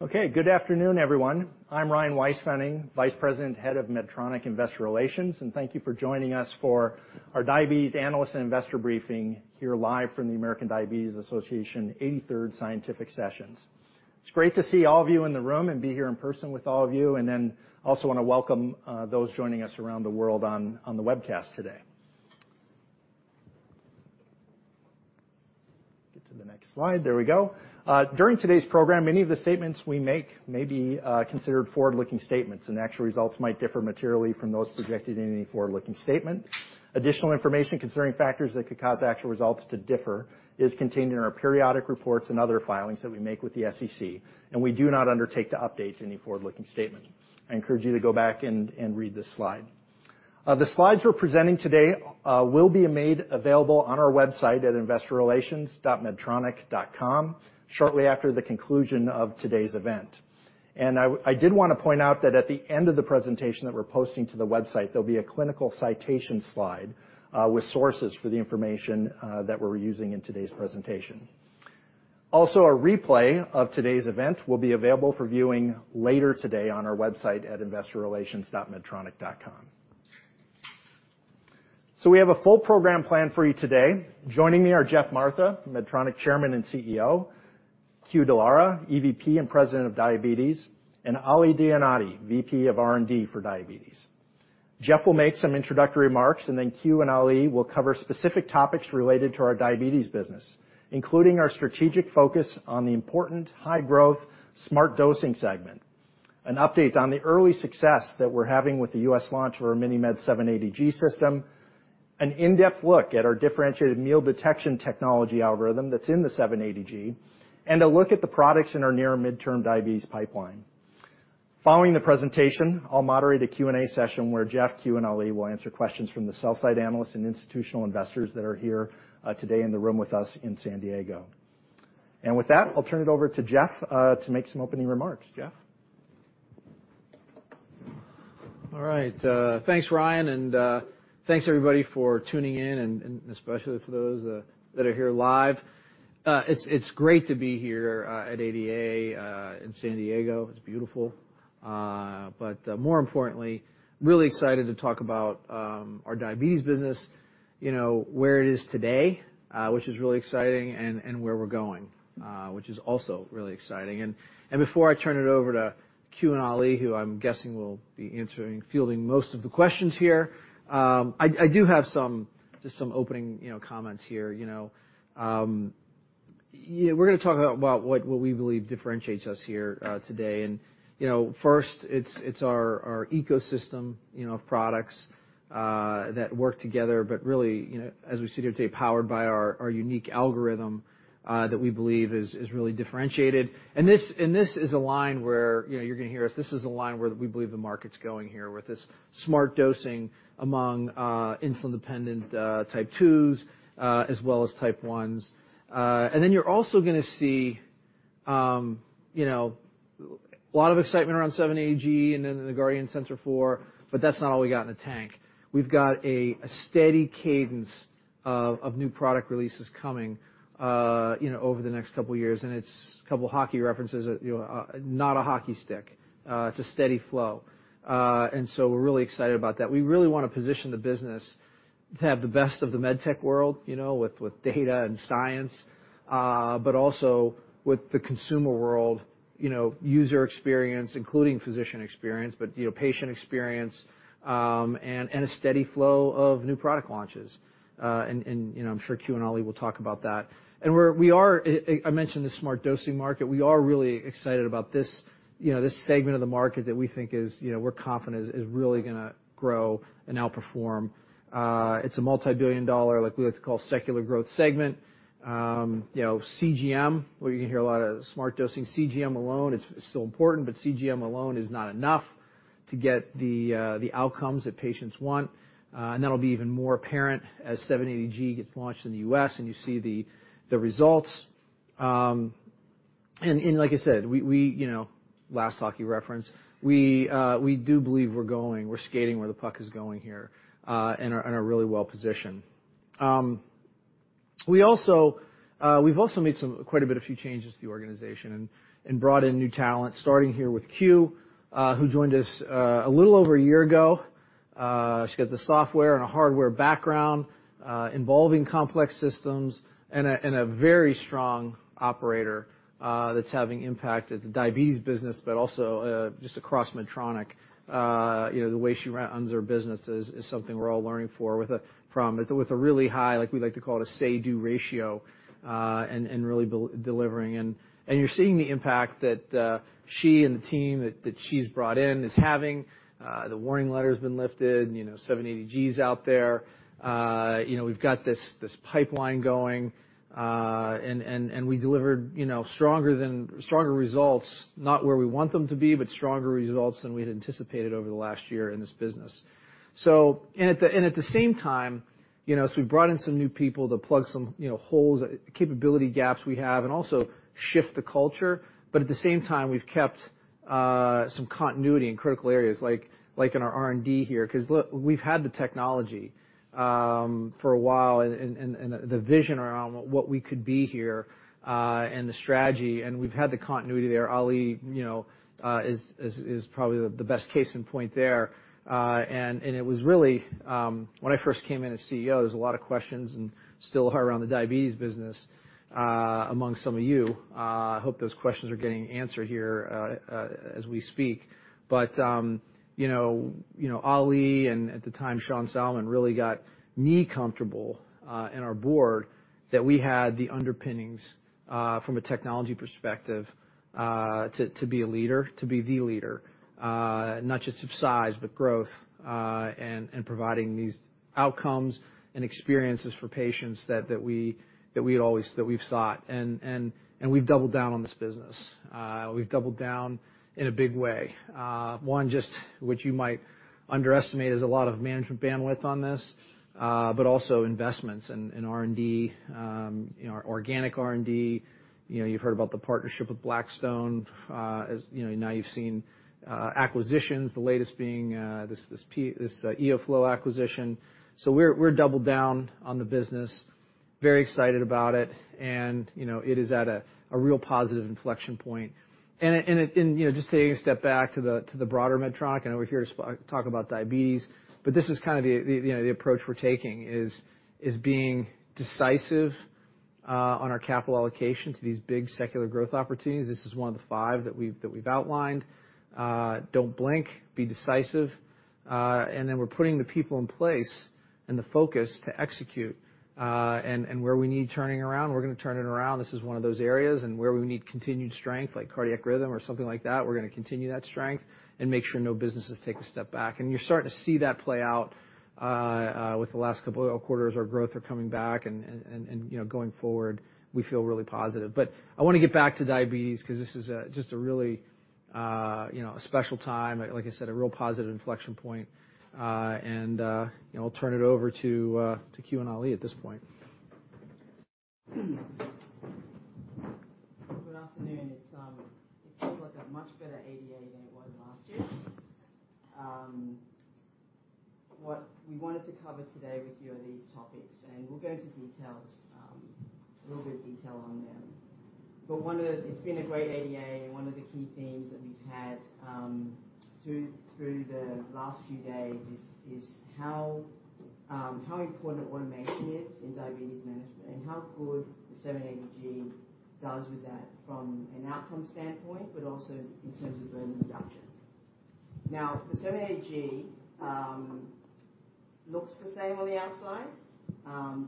Okay, good afternoon, everyone. I'm Ryan Weispfenning, Vice President, Head of Medtronic Investor Relations. Thank you for joining us for our Diabetes Analyst and Investor Briefing here live from the American Diabetes Association 83rd Scientific Sessions. It's great to see all of you in the room and be here in person with all of you. Then also want to welcome those joining us around the world on the webcast today. Get to the next slide. There we go. During today's program, many of the statements we make may be considered forward-looking statements. Actual results might differ materially from those projected in any forward-looking statement. Additional information concerning factors that could cause actual results to differ is contained in our periodic reports and other filings that we make with the SEC. We do not undertake to update any forward-looking statement. I encourage you to go back and read this slide. The slides we're presenting today will be made available on our website at investorrelations.medtronic.com shortly after the conclusion of today's event. I did want to point out that at the end of the presentation that we're posting to the website, there'll be a clinical citation slide with sources for the information that we're using in today's presentation. Also, a replay of today's event will be available for viewing later today on our website at investorrelations.medtronic.com. We have a full program planned for you today. Joining me are Geoff Martha, Medtronic Chairman and CEO, Que Dallara, EVP and President of Diabetes, and Ali Dianaty, VP of R+D for Diabetes. Geoff will make some introductory remarks, and then Que and Ali will cover specific topics related to our diabetes business, including our strategic focus on the important high-growth smart dosing segment, an update on the early success that we're having with the US launch of our MiniMed 780G system, an in-depth look at our differentiated meal detection technology algorithm that's in the 780G, and a look at the products in our near- and midterm diabetes pipeline. Following the presentation, I'll moderate a Q&A session, where Geoff, Que, and Ali will answer questions from the sell-side analysts and institutional investors that are here today in the room with us in San Diego. With that, I'll turn it over to Geoff to make some opening remarks. Geoff? All right. Thanks, Ryan, and thanks, everybody, for tuning in and especially for those that are here live. It's great to be here at ADA in San Diego. It's beautiful. More importantly, really excited to talk about our diabetes business, you know, where it is today, which is really exciting, and where we're going, which is also really exciting. Before I turn it over to Q and Ali, who I'm guessing will be answering, fielding most of the questions here, I do have some, just some opening, you know, comments here, you know. Yeah, we're gonna talk about what we believe differentiates us here today. You know, first, it's our ecosystem, you know, of products that work together, but really, you know, as we sit here today, powered by our unique algorithm that we believe is really differentiated. This, and this is a line where, you know, you're gonna hear us. This is a line where we believe the market's going here, with this smart dosing among insulin-dependent Type 2s, as well as Type 1s. Then you're also gonna see, you know, a lot of excitement around 780G and then the Guardian Sensor 4, but that's not all we got in the tank. We've got a steady cadence of new product releases coming, you know, over the next couple of years, and it's a couple hockey references, you know, not a hockey stick. It's a steady flow. So, we're really excited about that. We really wanna position the business to have the best of the MedTech world, you know, with data and science, but also with the consumer world, you know, user experience, including physician experience, but, you know, patient experience, and a steady flow of new product launches. You know, I'm sure Q and Ali will talk about that. We are... I mentioned the smart dosing market. We are really excited about this, you know, this segment of the market that we think is, you know, we're confident is really gonna grow and outperform. It's a multibillion-dollar, like we like to call secular growth segment. You know, CGM, where you can hear a lot of smart dosing. CGM alone is still important, CGM alone is not enough to get the outcomes that patients want. That'll be even more apparent as 780G gets launched in the U.S., and you see the results. Like I said, we, you know, last hockey reference, we do believe we're skating where the puck is going here and are really well positioned. We also, we've also made some quite a bit of few changes to the organization and brought in new talent, starting here with Que, who joined us a little over 1 year ago. She got the software and a hardware background, involving complex systems and a very strong operator, that's having impact at the diabetes business, also just across Medtronic. you know, the way she runs her business is something we're all learning from with a really high, like we like to call it, a say-do ratio, and really delivering. You're seeing the impact that she and the team that she's brought in is having. The warning letter has been lifted, you know, 780G's out there. you know, we've got this pipeline going, and we delivered, you know, stronger results, not where we want them to be, but stronger results than we'd anticipated over the last year in this business. At the same time, you know, so we've brought in some new people to plug some, you know, holes, capability gaps we have and also shift the culture. At the same time, we've kept some continuity in critical areas, like in our R&D here, because look, we've had the technology for a while and the vision around what we could be here and the strategy, and we've had the continuity there. Ali, you know, is probably the best case in point there. It was really When I first came in as CEO, there was a lot of questions and still are around the diabetes business amongst some of you. I hope those questions are getting answered here as we speak. You know, you know, Ali Dianaty, and at the time, Sean Salmon, really got me comfortable, and our board, that we had the underpinnings, from a technology perspective, to be a leader, to be the leader, not just of size, but growth, and providing these outcomes and experiences for patients that we've sought. We've doubled down on this business. We've doubled down in a big way. One, just which you might underestimate, is a lot of management bandwidth on this, but also investments in R&D, you know, organic R&D. You know, you've heard about the partnership with Blackstone. As you know, now you've seen acquisitions, the latest being the EOFlow acquisition. We're doubled down on the business. Very excited about it, you know, it is at a real positive inflection point. You know, just taking a step back to the broader Medtronic, I know we're here to talk about diabetes, this is kind of the, you know, the approach we're taking is being decisive on our capital allocation to these big secular growth opportunities. This is one of the five that we've outlined. Don't blink, be decisive, then we're putting the people in place and the focus to execute. And where we need turning around, we're gonna turn it around. This is one of those areas, where we need continued strength, like cardiac rhythm or something like that, we're gonna continue that strength and make sure no businesses take a step back. You're starting to see that play out with the last couple of quarters. Our growth are coming back and, you know, going forward, we feel really positive. I want to get back to diabetes because this is a, just a really, you know, a special time, like I said, a real positive inflection point. You know, I'll turn it over to Que and Ali Dianaty at this point. Good afternoon. It looks like a much better ADA than it was last year. What we wanted to cover today with you are these topics, and we'll go into details, a little bit of detail on them. One of the... It's been a great ADA, and one of the key themes that we've had through the last few days is how important automation is in diabetes management and how good the 780G does with that from an outcome standpoint, but also in terms of burden reduction. Now, the 780G looks the same on the outside,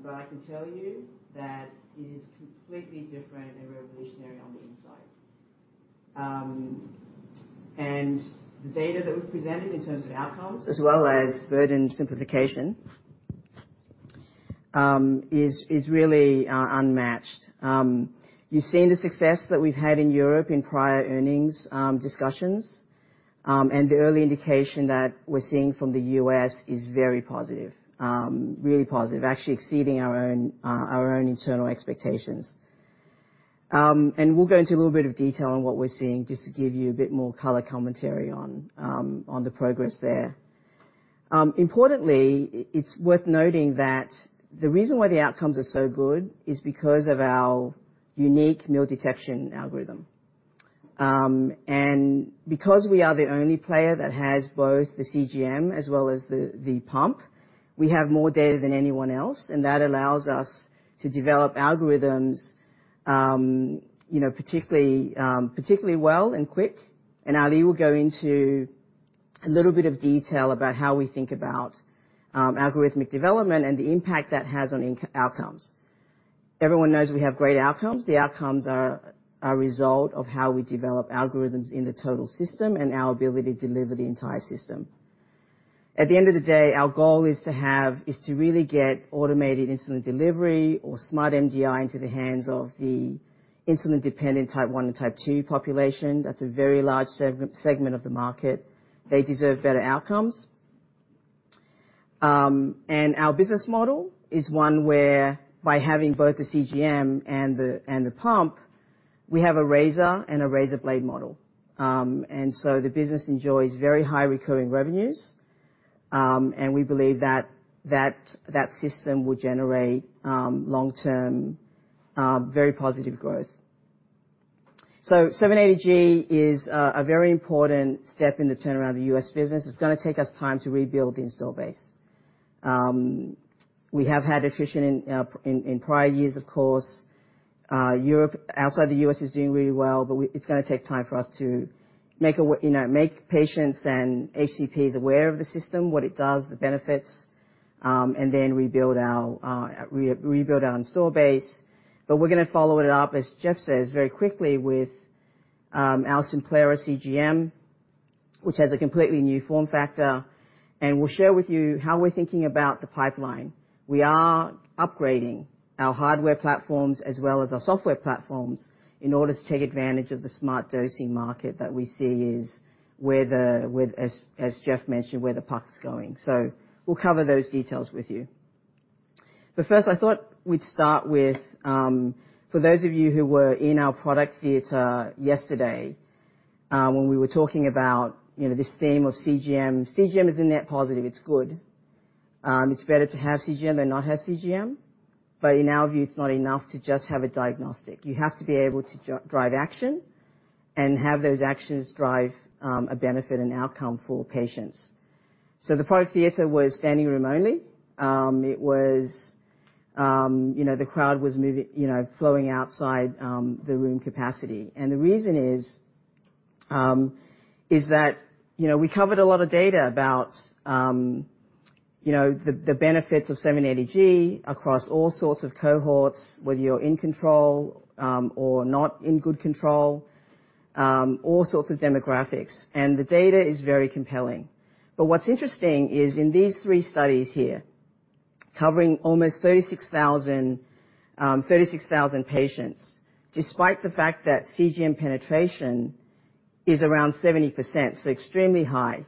but I can tell you that it is completely different and revolutionary on the inside. The data that we're presenting in terms of outcomes, as well as burden simplification, is really unmatched. You've seen the success that we've had in Europe in prior earnings discussions, and the early indication that we're seeing from the US is very positive, really positive, actually exceeding our own internal expectations. We'll go into a little bit of detail on what we're seeing, just to give you a bit more color commentary on the progress there. Importantly, it's worth noting that the reason why the outcomes are so good is because of our unique meal detection algorithm. Because we are the only player that has both the CGM as well as the pump, we have more data than anyone else, and that allows us to develop algorithms, you know, particularly well and quick. Ali will go into a little bit of detail about how we think about algorithmic development and the impact that has on outcomes. Everyone knows we have great outcomes. The outcomes are a result of how we develop algorithms in the total system and our ability to deliver the entire system. At the end of the day, our goal is to really get automated insulin delivery or Smart MDI into the hands of the insulin-dependent Type I and Type II population. That's a very large segment of the market. They deserve better outcomes. Our business model is one where by having both the CGM and the pump, we have a razor and a razor blade model. The business enjoys very high recurring revenues, and we believe that system will generate long-term very positive growth. 780G is a very important step in the turnaround of the U.S. business. It's gonna take us time to rebuild the install base. We have had attrition in prior years, of course. Europe, outside the U.S., is doing really well, but it's gonna take time for us to make You know, make patients and HCPs aware of the system, what it does, the benefits, and then rebuild our install base. We're gonna follow it up, as Jeff says, very quickly with our Simplera CGM, which has a completely new form factor, and we'll share with you how we're thinking about the pipeline. We are upgrading our hardware platforms as well as our software platforms in order to take advantage of the smart dosing market that we see is where the, where, as Jeff mentioned, where the puck is going. We'll cover those details with you. First, I thought we'd start with for those of you who were in our product theater yesterday, when we were talking about, you know, this theme of CGM. CGM is a net positive, it's good. It's better to have CGM than not have CGM, but in our view, it's not enough to just have a diagnostic. You have to be able to drive action and have those actions drive a benefit and outcome for patients. The product theater was standing room only. It was, you know, the crowd was moving, you know, flowing outside the room capacity. The reason is that, you know, we covered a lot of data about, you know, the benefits of 780G across all sorts of cohorts, whether you're in control or not in good control, all sorts of demographics, and the data is very compelling. What's interesting is in these three studies here, covering almost 36,000 patients, despite the fact that CGM penetration is around 70%, so extremely high,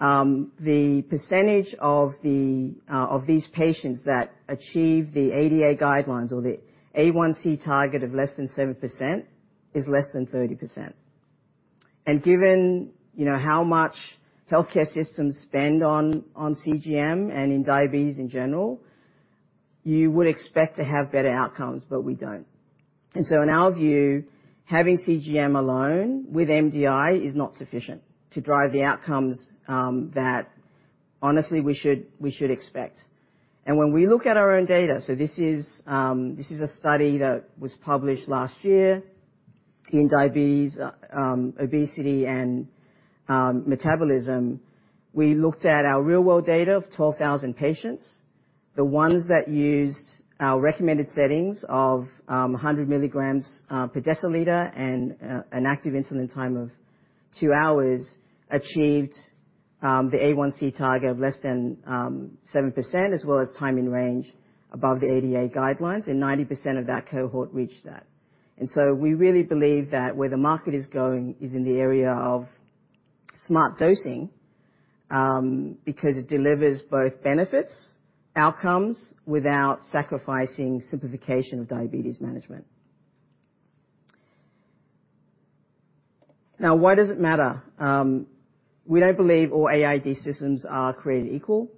the percentage of these patients that achieve the ADA guidelines or the A1C target of less than 7% is less than 30%. Given, you know, how much healthcare systems spend on CGM and in diabetes in general, you would expect to have better outcomes, but we don't. In our view, having CGM alone with MDI is not sufficient to drive the outcomes that honestly, we should expect. When we look at our own data, so this is a study that was published last year in diabetes, obesity, and metabolism. We looked at our real-world data of 12,000 patients. The ones that used our recommended settings of 100 milligrams per deciliter and an active insulin time of 2 hours, achieved the A1C target of less than 7%, as well as time in range above the ADA guidelines, and 90% of that cohort reached that. We really believe that where the market is going is in the area of smart dosing because it delivers both benefits, outcomes, without sacrificing simplification of diabetes management. Why does it matter? We don't believe all AID systems are created equal.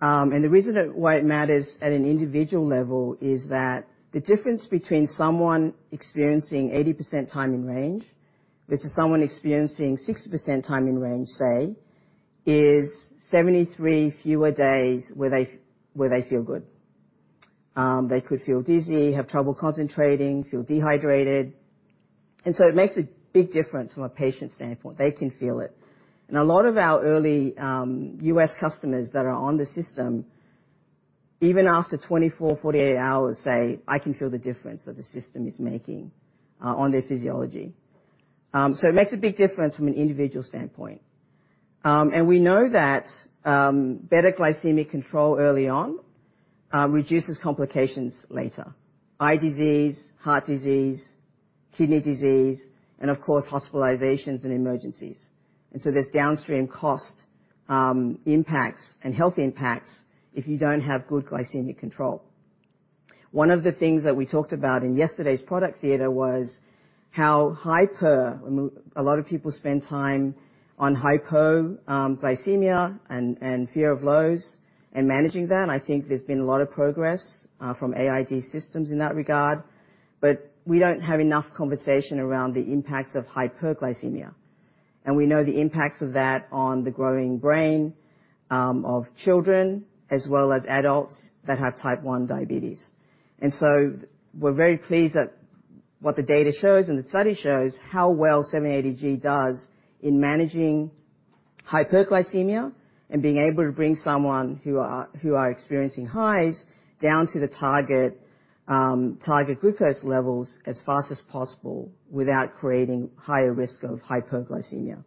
The reason that why it matters at an individual level is that the difference between someone experiencing 80% time in range versus someone experiencing 60% time in range, say, is 73 fewer days where they feel good. They could feel dizzy, have trouble concentrating, feel dehydrated, it makes a big difference from a patient standpoint. They can feel it. A lot of our early U.S. customers that are on the system, even after 24, 48 hours, say, "I can feel the difference that the system is making" on their physiology. It makes a big difference from an individual standpoint. We know that better glycemic control early on reduces complications later: eye disease, heart disease, kidney disease, and of course, hospitalizations and emergencies. There's downstream cost impacts and health impacts if you don't have good glycemic control. One of the things that we talked about in yesterday's product theater was how A lot of people spend time on hypoglycemia and fear of lows and managing that, and I think there's been a lot of progress from AID systems in that regard, but we don't have enough conversation around the impacts of hyperglycemia. We know the impacts of that on the growing brain of children as well as adults that have Type 1 diabetes. We're very pleased at what the data shows and the study shows, how well 780G does in managing hyperglycemia and being able to bring someone who are experiencing highs down to the target glucose levels as fast as possible without creating higher risk of hyperglycemia.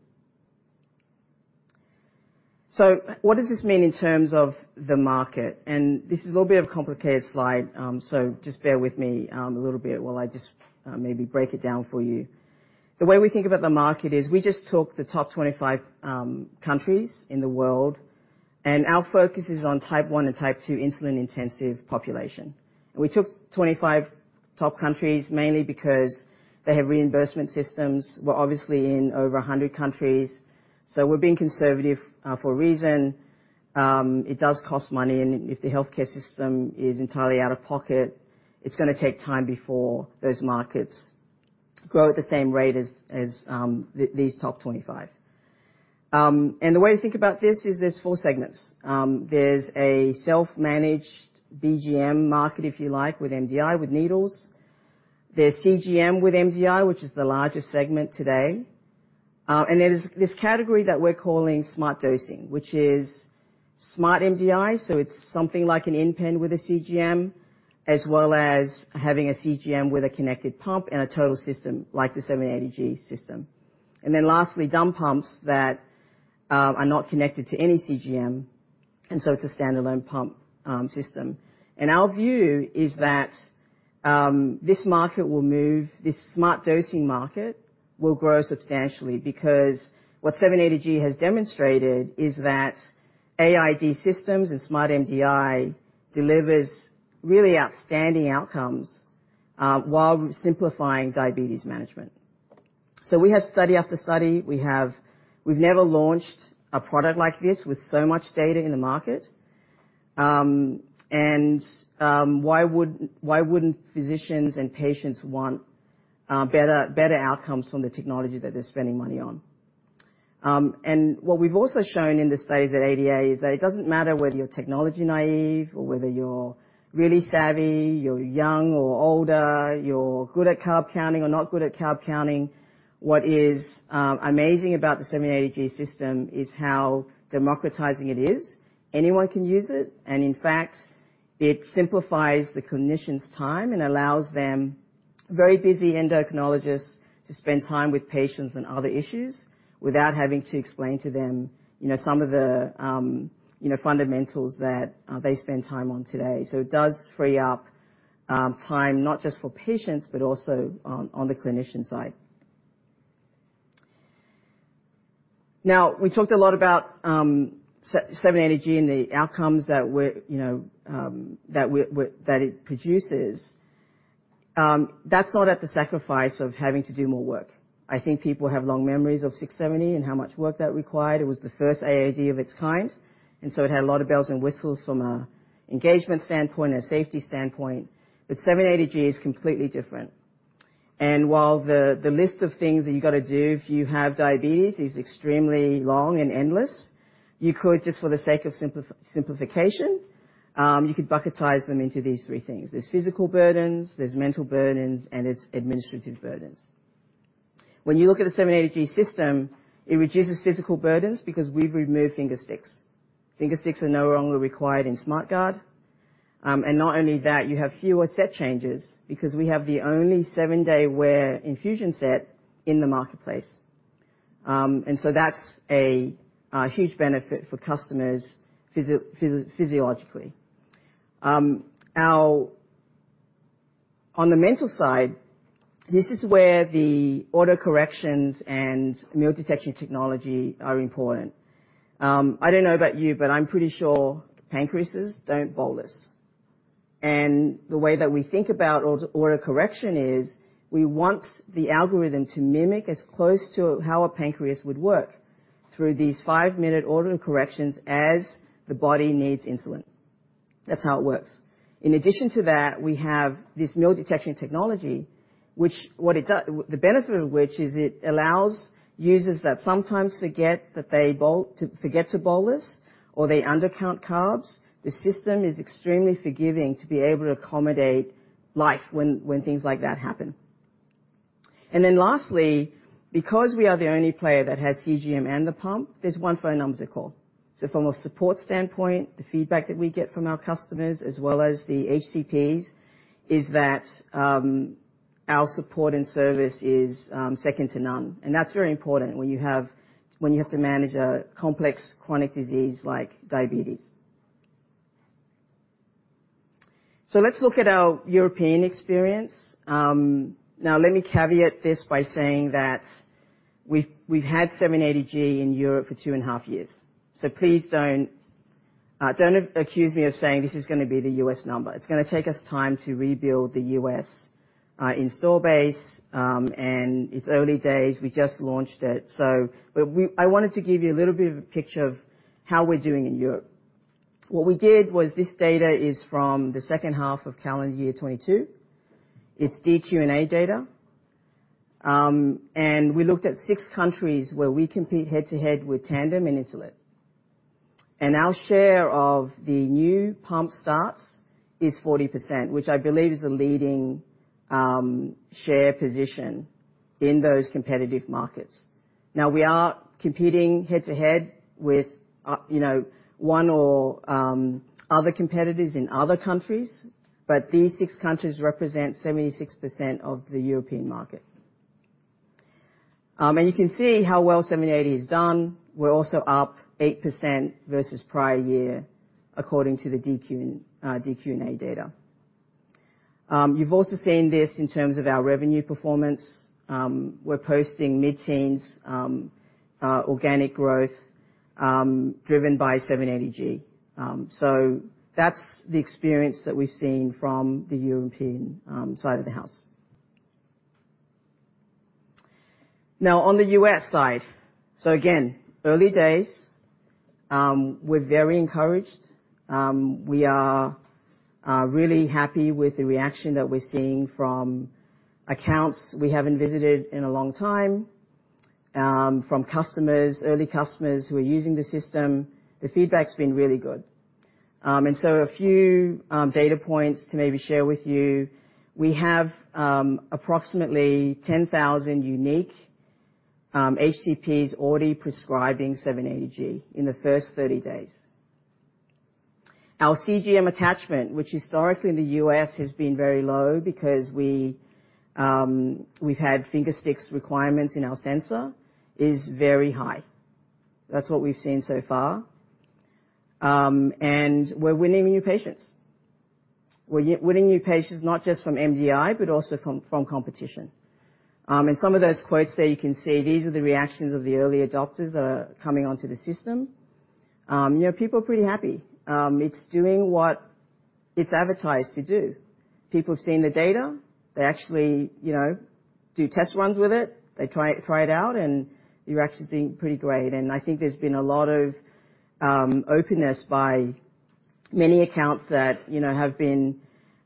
What does this mean in terms of the market? This is a little bit of a complicated slide, so just bear with me a little bit while I just maybe break it down for you. The way we think about the market is we just took the top 25 countries in the world, and our focus is on Type 1 and Type 2 insulin-intensive population. We took 25 top countries, mainly because they have reimbursement systems. We're obviously in over 100 countries, so we're being conservative for a reason. It does cost money, and if the healthcare system is entirely out of pocket, it's gonna take time before those markets grow at the same rate as these top 25. The way to think about this is there's four segments. There's a self-managed BGM market, if you like, with MDI, with needles. There's CGM with MDI, which is the largest segment today. There's this category that we're calling smart dosing, which is smart MDI, so it's something like an InPen with a CGM, as well as having a CGM with a connected pump and a total system like the 780G system. Lastly, dumb pumps that are not connected to any CGM, and so it's a standalone pump system. Our view is that... this market will move, this smart dosing market will grow substantially because what 780G has demonstrated is that AID systems and Smart MDI delivers really outstanding outcomes, while simplifying diabetes management. We have study after study. We've never launched a product like this with so much data in the market. Why would, why wouldn't physicians and patients want better outcomes from the technology that they're spending money on? What we've also shown in the studies at ADA is that it doesn't matter whether you're technology naive or whether you're really savvy, you're young or older, you're good at carb counting or not good at carb counting. What is amazing about the 780G system is how democratizing it is. Anyone can use it, in fact, it simplifies the clinician's time and allows them, very busy endocrinologists, to spend time with patients on other issues without having to explain to them, you know, some of the, you know, fundamentals that they spend time on today. It does free up time, not just for patients, but also on the clinician side. We talked a lot about 780G and the outcomes that it produces. That's not at the sacrifice of having to do more work. I think people have long memories of 670G and how much work that required. It was the first AID of its kind; it had a lot of bells and whistles from an engagement standpoint and a safety standpoint. 780G is completely different. While the list of things that you got to do if you have diabetes is extremely long and endless, you could, just for the sake of simplification, you could bucketize them into these three things: there's physical burdens, there's mental burdens, and its administrative burdens. When you look at the 780G system, it reduces physical burdens because we've removed finger sticks. Finger sticks are no longer required in SmartGuard. Not only that, you have fewer set changes because we have the only 7-day wear infusion set in the marketplace. That's a huge benefit for customers physiologically. On the mental side, this is where the autocorrections and meal detection technology are important. I don't know about you, but I'm pretty sure pancreases don't bolus. The way that we think about autocorrection is, we want the algorithm to mimic as close to how a pancreas would work through these five-minute auto corrections as the body needs insulin. That's how it works. In addition to that, we have this meal detection technology, which the benefit of which is it allows users that sometimes forget that they forget to bolus or they undercount carbs, the system is extremely forgiving to be able to accommodate life when things like that happen. Lastly, because we are the only player that has CGM and the pump, there's one phone number to call. From a support standpoint, the feedback that we get from our customers, as well as the HCPs, is that our support and service is second to none. That's very important when you have to manage a complex chronic disease like diabetes. Let's look at our European experience. Now, let me caveat this by saying that we've had 780G in Europe for 2.5 years. Please don't accuse me of saying this is gonna be the U.S. number. It's gonna take us time to rebuild the U.S. install base, and its early days. We just launched it. But I wanted to give you a little bit of a picture of how we're doing in Europe. What we did was, this data is from the H2 of calendar year 2022. It's dQ&A data. We looked at 6 countries where we compete head-to-head with Tandem and Insulet. Our share of the new pump starts is 40%, which I believe is the leading share position in those competitive markets. We are competing head-to-head with, you know, one or other competitors in other countries, but these 6 countries represent 76% of the European market. You can see how well 780G has done. We're also up 8% versus prior year, according to the dQ&A data. You've also seen this in terms of our revenue performance. We're posting mid-teens organic growth, driven by 780G. That's the experience that we've seen from the European side of the house. On the U.S. side, again, early days, we're very encouraged. We are really happy with the reaction that we're seeing from accounts we haven't visited in a long time, from customers, early customers who are using the system. The feedback's been really good. A few data points to maybe share with you. We have approximately 10,000 unique HCPs already prescribing 780G in the first 30 days. Our CGM attachment, which historically in the U.S. has been very low because we've had fingersticks requirements in our sensor, is very high. That's what we've seen so far. We're winning new patients. We're yet winning new patients, not just from MDI, but also from competition. Some of those quotes there, you can see, these are the reactions of the early adopters that are coming onto the system. You know, people are pretty happy. It's doing what it's advertised to do. People have seen the data. They actually, you know, do test runs with it. They try it out, and you're actually doing pretty great. I think there's been a lot of openness by many accounts that, you know, have been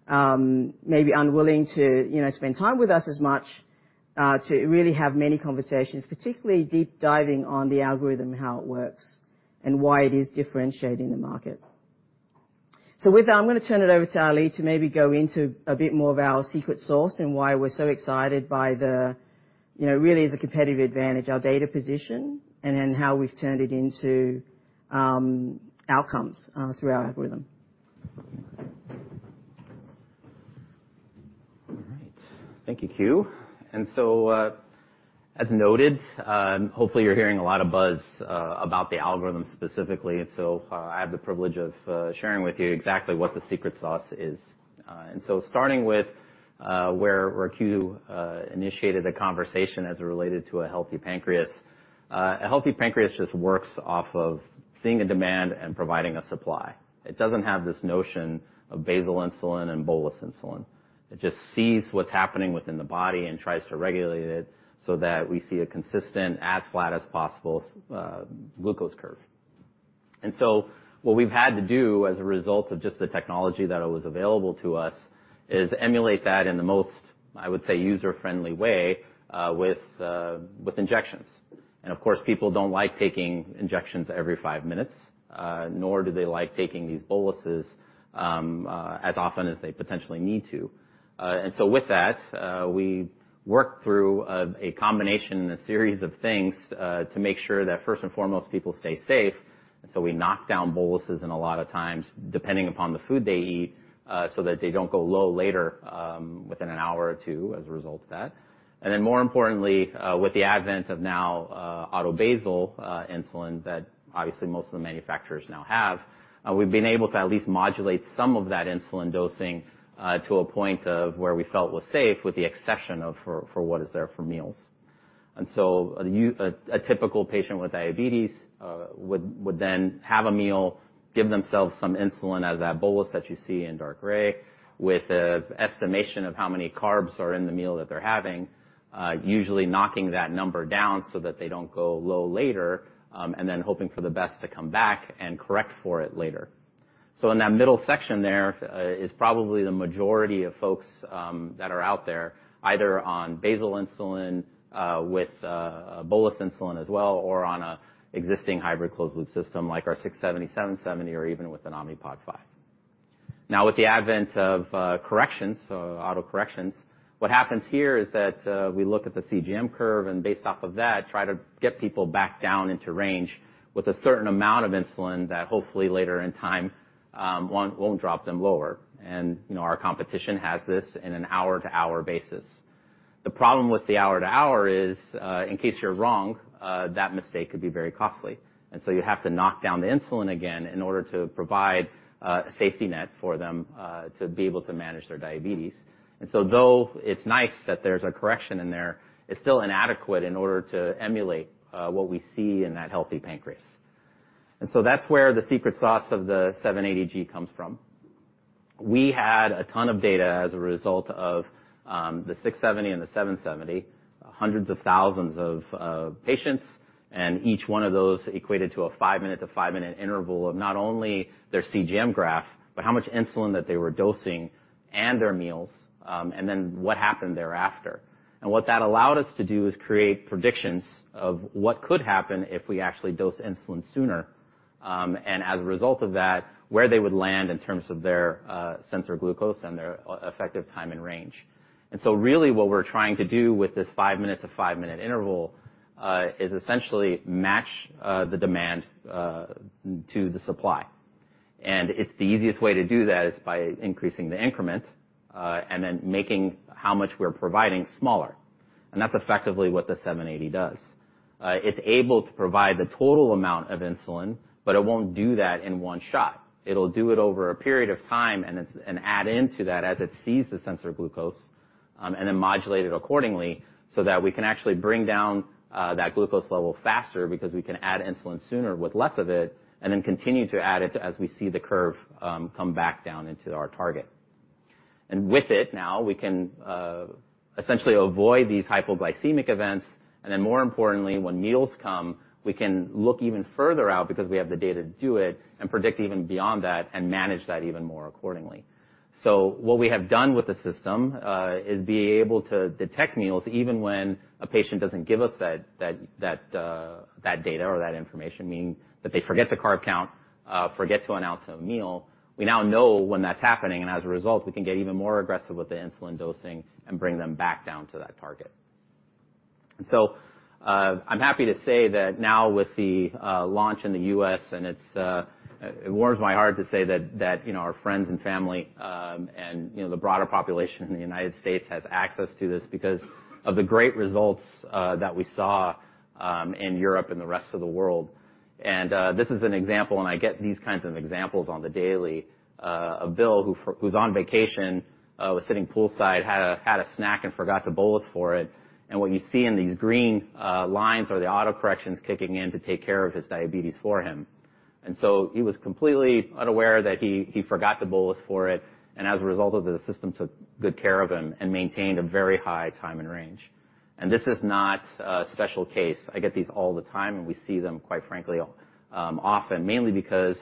maybe unwilling to, you know, spend time with us as much to really have many conversations, particularly deep diving on the algorithm, how it works, and why it is differentiating the market. With that, I'm gonna turn it over to Ali to maybe go into a bit more of our secret sauce and why we're so excited by the, you know, really as a competitive advantage, our data position, and then how we've turned it into outcomes through our algorithm. All right. Thank you, Q. As noted, hopefully, you're hearing a lot of buzz about the algorithm specifically. I have the privilege of sharing with you exactly what the secret sauce is. Starting with where Q initiated the conversation as it related to a healthy pancreas. A healthy pancreas just works off of seeing a demand and providing a supply. It doesn't have this notion of basal insulin and bolus insulin. It just sees what's happening within the body and tries to regulate it so that we see a consistent, as flat as possible, glucose curve. What we've had to do as a result of just the technology that was available to us is emulate that in the most, I would say, user-friendly way, with injections. Of course, people don't like taking injections every five minutes, nor do they like taking these boluses as often as they potentially need to. With that, we work through a combination and a series of things to make sure that, first and foremost, people stay safe. We knock down boluses and a lot of times, depending upon the food they eat, so that they don't go low later, within an hour or two as a result of that. More importantly, with the advent of now, auto basal insulin, that obviously most of the manufacturers now have, we've been able to at least modulate some of that insulin dosing to a point of where we felt was safe, with the exception of, for what is there for meals. A typical patient with diabetes would then have a meal, give themselves some insulin as that bolus that you see in dark gray, with an estimation of how many carbs are in the meal that they're having, usually knocking that number down so that they don't go low later, and then hoping for the best to come back and correct for it later. In that middle section, there, is probably the majority of folks, that are out there, either on basal insulin, with a bolus insulin as well, or on a existing hybrid closed loop system like our 670G, 770G, or even with an Omnipod 5. Now, with the advent of corrections, so autocorrections, what happens here is that we look at the CGM curve, and based off of that, try to get people back down into range with a certain amount of insulin that hopefully later in time, won't drop them lower. You know, our competition has this in an hour-to-hour basis. The problem with the hour-to-hour is, in case you're wrong, that mistake could be very costly. You have to knock down the insulin again in order to provide a safety net for them to be able to manage their diabetes. Though it's nice that there's a correction in there, it's still inadequate in order to emulate what we see in that healthy pancreas. That's where the secret sauce of the 780G comes from. We had a ton of data as a result of, the 670G and the 770G, hundreds of thousands of patients, and each one of those equated to a 5-minute to 5-minute interval of not only their CGM graph, but how much insulin that they were dosing and their meals, and then what happened thereafter. What that allowed us to do is create predictions of what could happen if we actually dose insulin sooner, and as a result of that, where they would land in terms of their sensor glucose and their effective time and range. So really, what we're trying to do with this 5 minutes to 5-minute interval, is essentially match the demand to the supply. It's the easiest way to do that is by increasing the increment and then making how much we're providing smaller. That's effectively what the 780G does. It's able to provide the total amount of insulin, but it won't do that in one shot. It'll do it over a period of time, and add into that as it sees the sensor glucose, and then modulate it accordingly so that we can actually bring down that glucose level faster because we can add insulin sooner with less of it, and then continue to add it as we see the curve come back down into our target. With it now, we can essentially avoid these hypoglycemic events, and then, more importantly, when meals come, we can look even further out because we have the data to do it and predict even beyond that and manage that even more accordingly. What we have done with the system is be able to detect meals even when a patient doesn't give us that data or that information, meaning that they forget the carb count, forget to announce a meal. We now know when that's happening, and as a result, we can get even more aggressive with the insulin dosing and bring them back down to that target. I'm happy to say that now with the launch in the U.S., and it warms my heart to say that, you know, our friends and family, and, you know, the broader population in the United States has access to this because of the great results that we saw in Europe and the rest of the world. This is an example, and I get these kinds of examples on the daily. Of Bill, who's on vacation, was sitting poolside, had a snack and forgot to bolus for it. What you see in these green lines are the autocorrections kicking in to take care of his diabetes for him. He was completely unaware that he forgot to bolus for it, as a result of it, the system took good care of him and maintained a very high time and range. This is not a special case. I get these all the time, and we see them, quite frankly, often, mainly because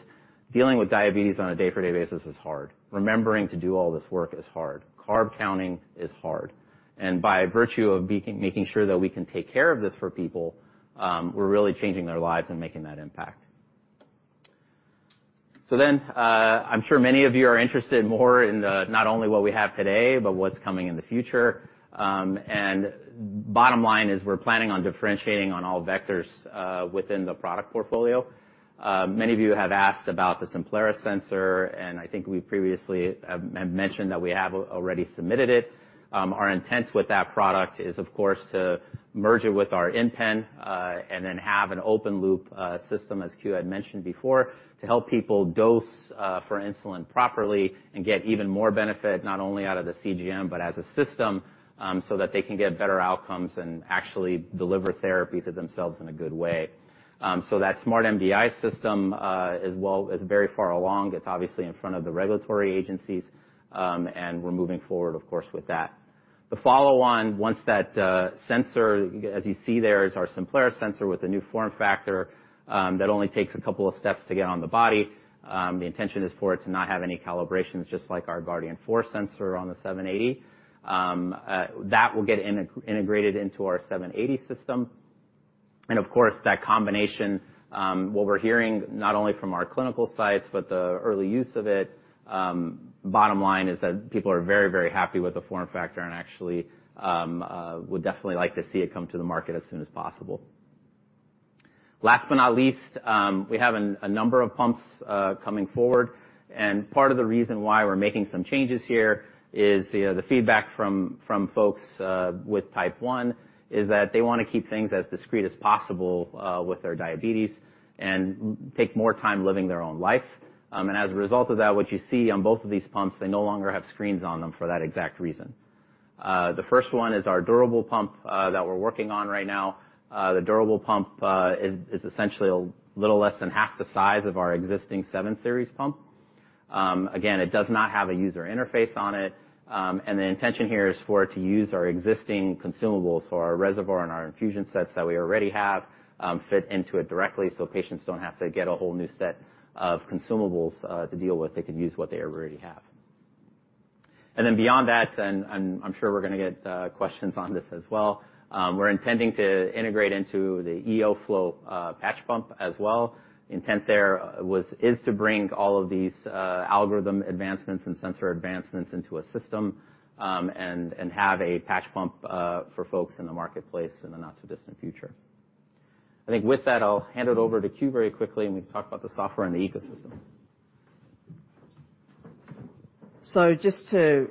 dealing with diabetes on a day-to-day basis is hard. Remembering to do all this work is hard. Carb counting is hard. By virtue of making sure that we can take care of this for people, we're really changing their lives and making that impact. I'm sure many of you are interested more in the, not only what we have today, but what's coming in the future. Bottom line is we're planning on differentiating on all vectors within the product portfolio. Many of you have asked about the Simplera sensor. I think we previously have mentioned that we have already submitted it. Our intent with that product is, of course, to merge it with our InPen, and then have an open loop system, as Q had mentioned before, to help people dose for insulin properly and get even more benefit, not only out of the CGM, but as a system, so that they can get better outcomes and actually deliver therapy to themselves in a good way. That Smart MDI system, as well, is very far along. It's obviously in front of the regulatory agencies. We're moving forward, of course, with that. The follow-on, once that sensor, as you see there, is our Simplera sensor with a new form factor, that only takes a couple of steps to get on the body. The intention is for it to not have any calibrations, just like our Guardian 4 sensor on the 780. That will get integrated into our 780 system. Of course, that combination, what we're hearing, not only from our clinical sites, but the early use of it, bottom line is that people are very, very happy with the form factor and actually, would definitely like to see it come to the market as soon as possible. Last but not least, we have a number of pumps coming forward. Part of the reason why we're making some changes here is the feedback from folks with Type 1, is that they want to keep things as discreet as possible with their diabetes and take more time living their own life. As a result of that, what you see on both of these pumps, they no longer have screens on them for that exact reason. The first one is our durable pump that we're working on right now. The durable pump is essentially a little less than half the size of our existing 7 series pump. Again, it does not have a user interface on it, the intention here is for it to use our existing consumables, so our reservoir and our infusion sets that we already have, fit into it directly so patients don't have to get a whole new set of consumables to deal with. They can use what they already have. Beyond that, I'm sure we're going to get questions on this as well, we're intending to integrate into the EOFlow patch pump as well. Intent there was, is to bring all of these algorithm advancements and sensor advancements into a system and have a patch pump for folks in the marketplace in the not-so-distant future. I think with that, I'll hand it over to Q very quickly, and we've talked about the software and the ecosystem. Just to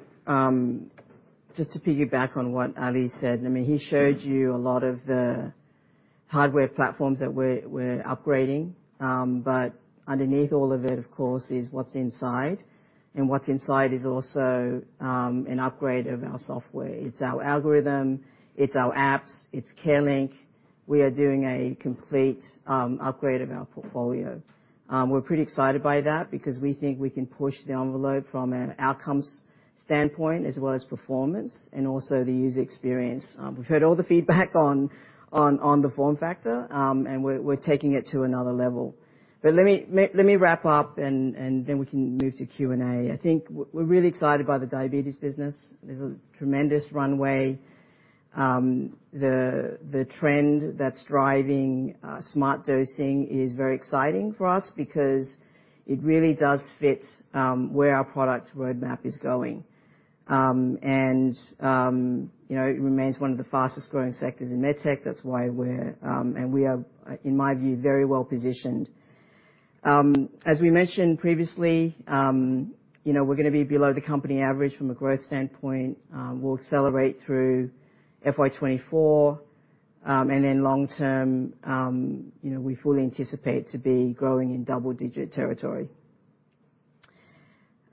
piggyback on what Ali said, I mean, he showed you a lot of the hardware platforms that we're upgrading, but underneath all of it, of course, is what's inside, and what's inside is also an upgrade of our software. It's our algorithm, it's our apps, it's CareLink. We are doing a complete upgrade of our portfolio. We're pretty excited by that because we think we can push the envelope from an outcomes standpoint, as well as performance and also the user experience. We've heard all the feedback on the form factor, and we're taking it to another level. Let me wrap up, and then we can move to Q&A. I think we're really excited by the diabetes business. There's a tremendous runway. The trend that's driving smart dosing is very exciting for us because it really does fit where our product roadmap is going. You know, it remains one of the fastest-growing sectors in medtech. That's why we're. We are, in my view, very well positioned. As we mentioned previously, you know, we're going to be below the company average from a growth standpoint. We'll accelerate through FY24, and then long term, you know, we fully anticipate to be growing in double-digit territory.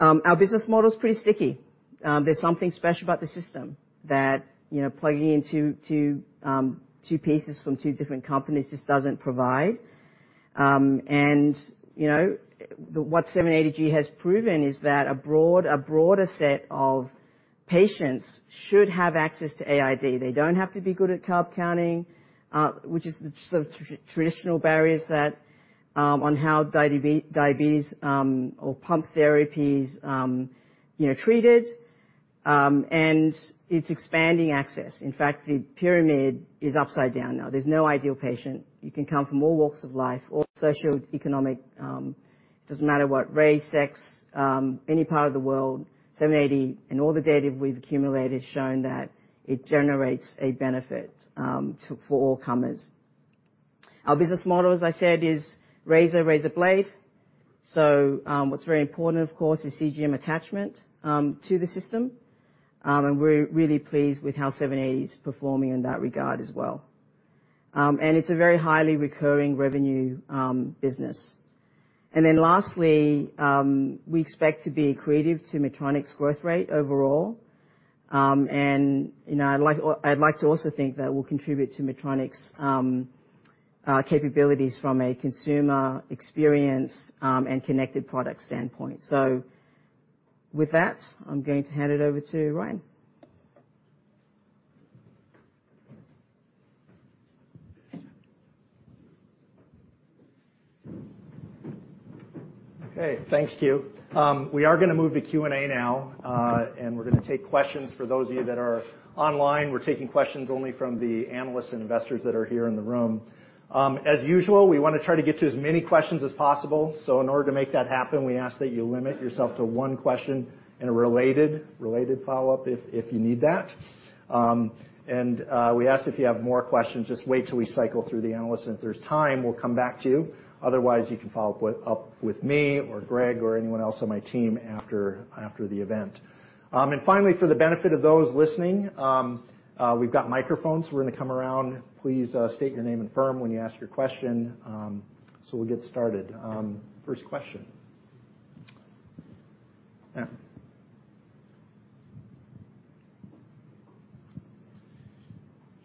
Our business model is pretty sticky. There's something special about the system that, you know, plugging into two pieces from two different companies just doesn't provide. You know, what 780G has proven is that a broader set of patients should have access to AID. They don't have to be good at carb counting, which is the sort of traditional barriers that on how diabetes or pump therapy is, you know, treated. It's expanding access. In fact, the pyramid is upside down now. There's no ideal patient. You can come from all walks of life, all socioeconomic, it doesn't matter what, race, sex, any part of the world, 780G and all the data we've accumulated has shown that it generates a benefit to, for all comers. Our business model, as I said, is razor blade. What's very important, of course, is CGM attachment to the system. We're really pleased with how 780G is performing in that regard as well. It's a very highly recurring revenue business. Lastly, we expect to be accretive to Medtronic's growth rate overall. You know, I'd like to also think that we'll contribute to Medtronic's capabilities from a consumer experience and connected product standpoint. With that, I'm going to hand it over to Ryan. Okay, thanks, Que. We are going to move to Q&A now, and we're going to take questions. For those of you that are online, we're taking questions only from the analysts and investors that are here in the room. As usual, we want to try to get to as many questions as possible. In order to make that happen, we ask that you limit yourself to one question and a related follow-up if you need that. We ask if you have more questions, just wait till we cycle through the analysts, and if there's time, we'll come back to you. Otherwise, you can follow up with me or Greg or anyone else on my team after the event. Finally, for the benefit of those listening, we've got microphones. We're going to come around. Please, state your name and firm when you ask your question. We'll get started. First question. Matt?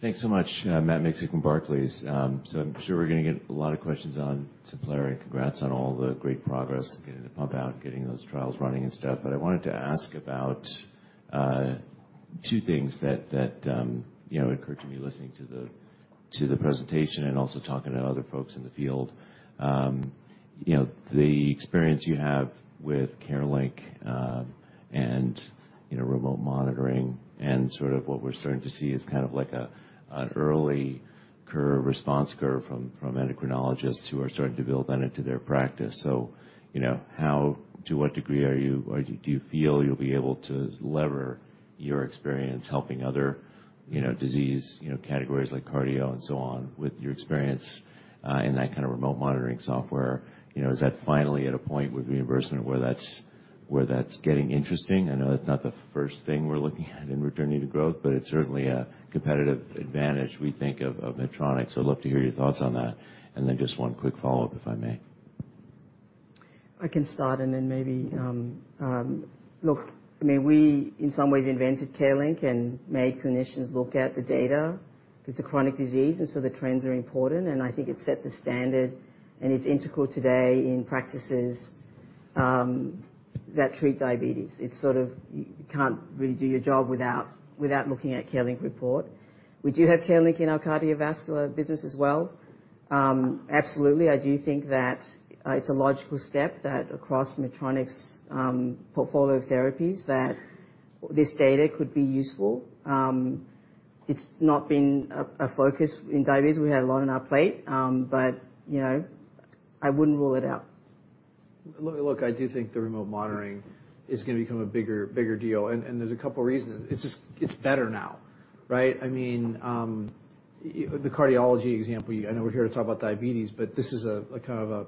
Thanks so much. Matt Miksic from Barclays. I'm sure we're going to get a lot of questions on Simplera. Congrats on all the great progress, getting the pump out, getting those trials running and stuff. I wanted to ask about two things that, you know, occurred to me, listening to the presentation and also talking to other folks in the field. You know, the experience you have with CareLink, and, you know, remote monitoring and sort of what we're starting to see is kind of like a, an early curve, response curve from endocrinologists who are starting to build that into their practice. You know, to what degree or do you feel you'll be able to lever your experience helping other, you know, disease, you know, categories like cardio and so on, with your experience in that kind of remote monitoring software? You know, is that finally at a point with reimbursement where that's getting interesting? I know that's not the first thing we're looking at in return to growth, but it's certainly a competitive advantage we think of Medtronic. I'd love to hear your thoughts on that. Just 1 quick follow-up, if I may. I can start and then maybe. Look, I mean, we in some ways invented CareLink and made clinicians look at the data. It's a chronic disease. The trends are important. I think it set the standard, and it's integral today in practices that treat diabetes. It's sort of, you can't really do your job without looking at CareLink report. We do have CareLink in our cardiovascular business as well. Absolutely, I do think that it's a logical step that across Medtronic's portfolio therapies, that this data could be useful. It's not been a focus in diabetes. We had a lot on our plate, you know, I wouldn't rule it out. Look, I do think the remote monitoring is going to become a bigger deal, and there's a couple reasons. It's just, it's better now, right? I mean, the cardiology example, I know we're here to talk about diabetes, but this is a kind of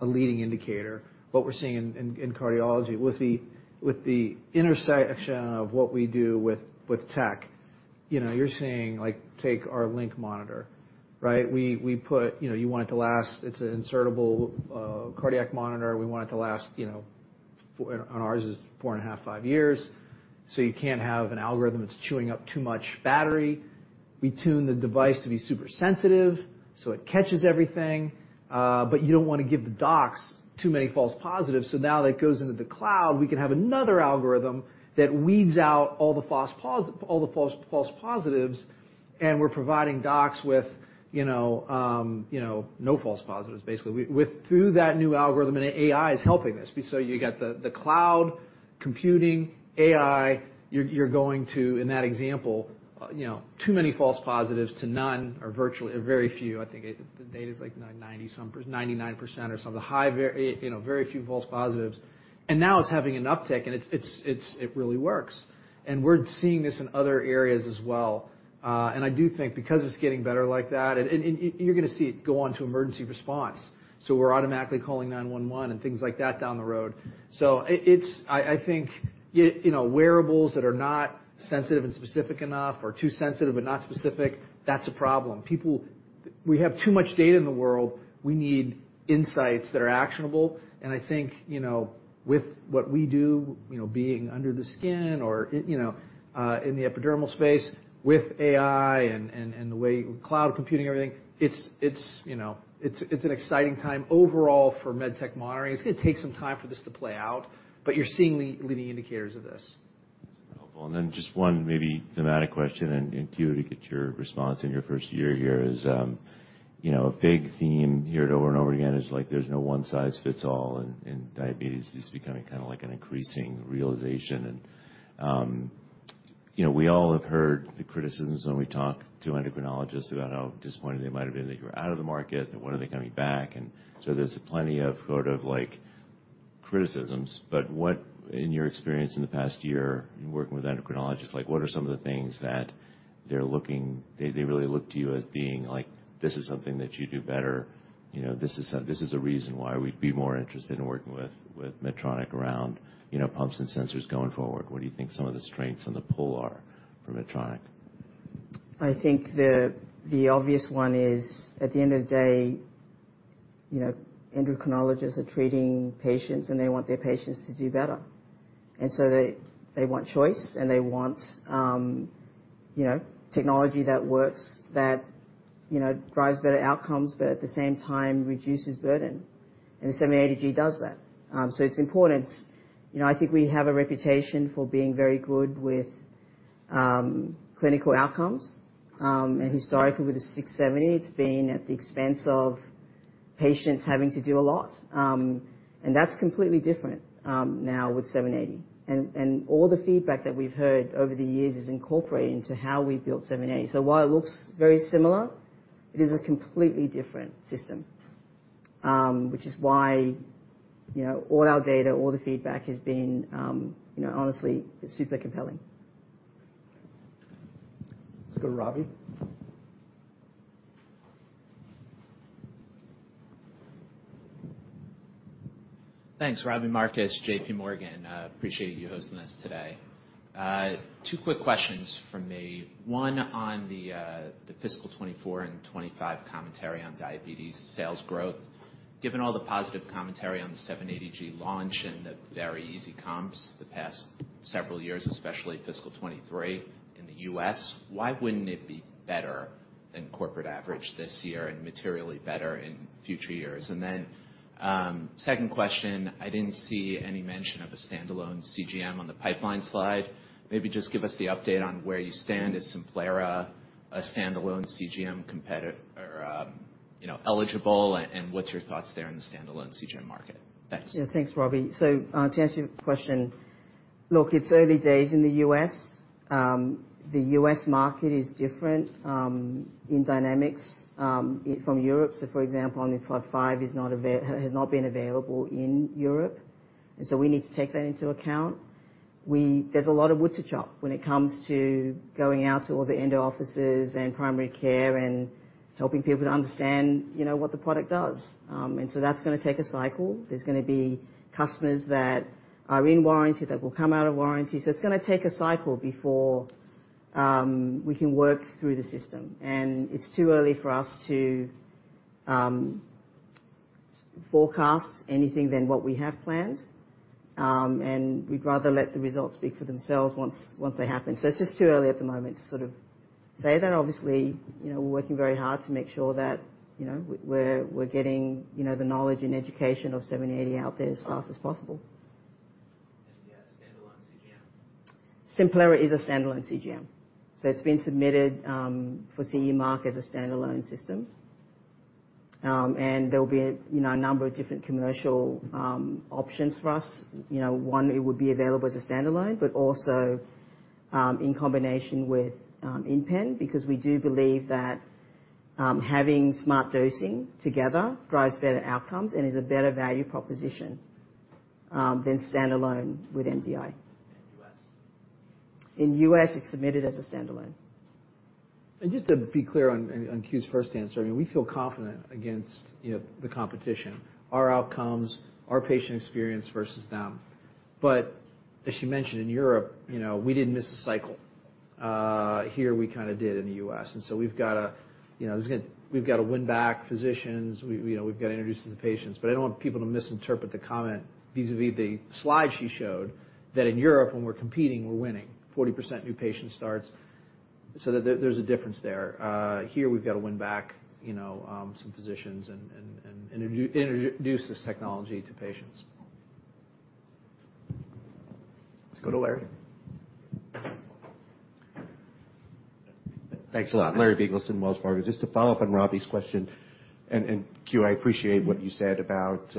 a leading indicator. What we're seeing in, in cardiology with the, with the intersection of what we do with tech, you know, you're seeing, like, take our MyCareLink Monitor, right? You know, you want it to last. It's an insertable cardiac monitor. We want it to last, you know, on ours is four and a half, five years. You can't have an algorithm that's chewing up too much battery. We tune the device to be super sensitive, so it catches everything, but you don't want to give the docs too many false positives. Now that it goes into the cloud, we can have another algorithm that weeds out all the false positives, and we're providing docs with, you know, no false positives. Basically, through that new algorithm, and AI is helping us. You got the cloud computing, AI, you're going to, in that example, you know, too many false positives to none or virtually, or very few. I think the data is like 90 something, 99% or something. The high, you know, very few false positives. Now it's having an uptick, and it really works. We're seeing this in other areas as well. I do think because it's getting better like that, and you're going to see it go on to emergency response. We're automatically calling 911 and things like that down the road. It's, I think, you know, wearables that are not sensitive and specific enough or too sensitive but not specific, that's a problem. We have too much data in the world. We need insights that are actionable, and I think, you know, with what we do, you know, being under the skin or in, you know, in the epidermal space with AI and the way cloud computing, everything, it's, you know, it's an exciting time overall for MedTech monitoring. It's going to take some time for this to play out, but you're seeing the leading indicators of this. Then just one maybe thematic question, and to you, to get your response in your first year here is, you know, a big theme here over and over again is, like, there's no one-size-fits-all, and diabetes is becoming kind of like an increasing realization. You know, we all have heard the criticisms when we talk to endocrinologists about how disappointed they might have been that you were out of the market, and when are they coming back? So, there's plenty of sort of like... criticisms, but what, in your experience in the past year in working with endocrinologists, like, what are some of the things that they're looking, they really look to you as being, like, this is something that you do better, you know, this is a reason why we'd be more interested in working with Medtronic around, you know, pumps and sensors going forward? What do you think some of the strengths and the pull are for Medtronic? I think the obvious one is, at the end of the day, you know, endocrinologists are treating patients, they want their patients to do better. They want choice, and they want, you know, technology that works, that, you know, drives better outcomes, but at the same time reduces burden. The 780G does that. It's important. You know, I think we have a reputation for being very good with clinical outcomes. Historically, with the 670G, it's been at the expense of patients having to do a lot. That's completely different now with 780G. All the feedback that we've heard over the years is incorporated into how we've built 780G. While it looks very similar, it is a completely different system, which is why, you know, all our data, all the feedback has been, you know, honestly, super compelling. Let's go to Robbie. Thanks. Robbie Marcus, J.P. Morgan. Appreciate you hosting us today. Two quick questions from me. One, on the fiscal 2024 and 2025 commentary on diabetes sales growth. Given all the positive commentary on the 780G launch and the very easy comps the past several years, especially fiscal 2023 in the U.S., why wouldn't it be better than corporate average this year and materially better in future years? Second question, I didn't see any mention of a standalone CGM on the pipeline slide. Maybe just give us the update on where you stand as Simplera, a standalone CGM or, you know, eligible, and what's your thoughts there in the standalone CGM market? Thanks. Yeah. Thanks, Robbie. To answer your question, look, it's early days in the U.S. The U.S. market is different in dynamics from Europe. For example, Omnipod 5 has not been available in Europe, we need to take that into account. There's a lot of wood to chop when it comes to going out to all the endo offices and primary care and helping people to understand, you know, what the product does. That's gonna take a cycle. There's gonna be customers that are in warranty that will come out of warranty, so it's gonna take a cycle before we can work through the system. It's too early for us to forecast anything than what we have planned. We'd rather let the results speak for themselves once they happen. It's just too early at the moment to sort of say that. Obviously, you know, we're working very hard to make sure that, you know, we're getting, you know, the knowledge and education of 780G out there as fast as possible. The standalone CGM? Simplera is a standalone CGM. It's been submitted for CE mark as a standalone system. There will be a, you know, a number of different commercial options for us. You know, one, it would be available as a standalone, but also in combination with InPen, because we do believe that having smart dosing together drives better outcomes and is a better value proposition than standalone with MDI. U.S.? In U.S., it's submitted as a standalone. Just to be clear on Q's first answer, I mean, we feel confident against, you know, the competition, our outcomes, our patient experience versus them. But as she mentioned, in Europe, you know, we didn't miss a cycle. here, we kinda did in the US, and so we've got to, you know, win back physicians. We, you know, we've got to introduce to the patients, but I don't want people to misinterpret the comment vis-a-vis the slide she showed, that in Europe, when we're competing, we're winning. 40% new patient starts, so there's a difference there. here we've got to win back, you know, some physicians and introduce this technology to patients. Let's go to Larry. Thanks a lot. Larry Biegelsen, Wells Fargo. Just to follow up on Robbie's question, and Q, I appreciate what you said about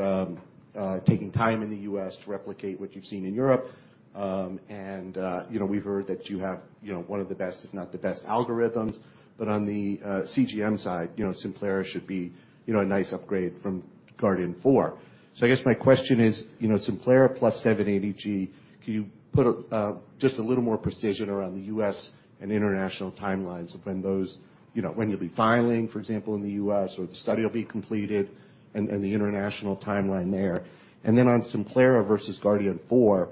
taking time in the U.S. to replicate what you've seen in Europe. You know, we've heard that you have, you know, one of the best, if not the best, algorithms. On the CGM side, you know, Simplera should be, you know, a nice upgrade from Guardian 4. I guess my question is, you know, Simplera plus 780G, can you put a little more precision around the U.S. and international timelines of when those, you know, when you'll be filing, for example, in the U.S., or the study will be completed and the international timeline there? Then on Simplera versus Guardian 4,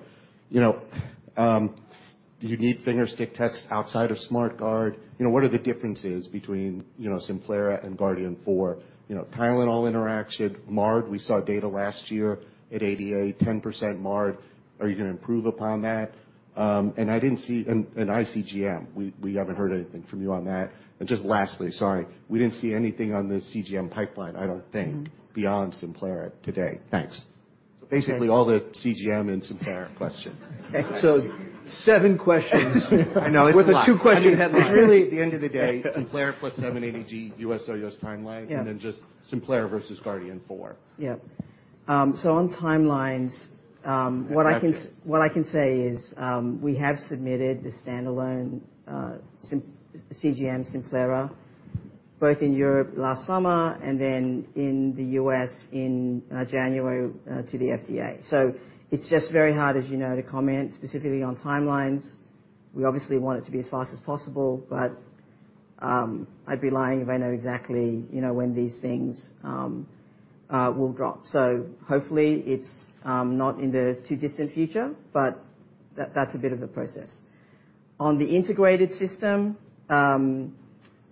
you know, do you need fingerstick tests outside of SmartGuard? You know, what are the differences between, you know, Simplera and Guardian 4? You know, Tylenol interaction, MARD, we saw data last year at ADA, 10% MARD. Are you going to improve upon that? ICGM, we haven't heard anything from you on that. Just lastly, sorry, we didn't see anything on the CGM pipeline, I don't think. beyond Simplera today. Thanks. Basically, all the CGM and Simplera questions. Seven questions. I know it's a lot. With a 2 question-. At the end of the day, Simplera plus 780G, U.S. or timeline? Yeah. Just Simplera versus Guardian 4. Yeah. On timelines, Gotcha. What I can say is, we have submitted the standalone CGM Simplera. Both in Europe last summer, and then in the U.S. in January to the FDA. It's just very hard, as you know, to comment specifically on timelines. We obviously want it to be as fast as possible, but I'd be lying if I know exactly, you know, when these things will drop. Hopefully, it's not in the too distant future, but that's a bit of a process. On the integrated system,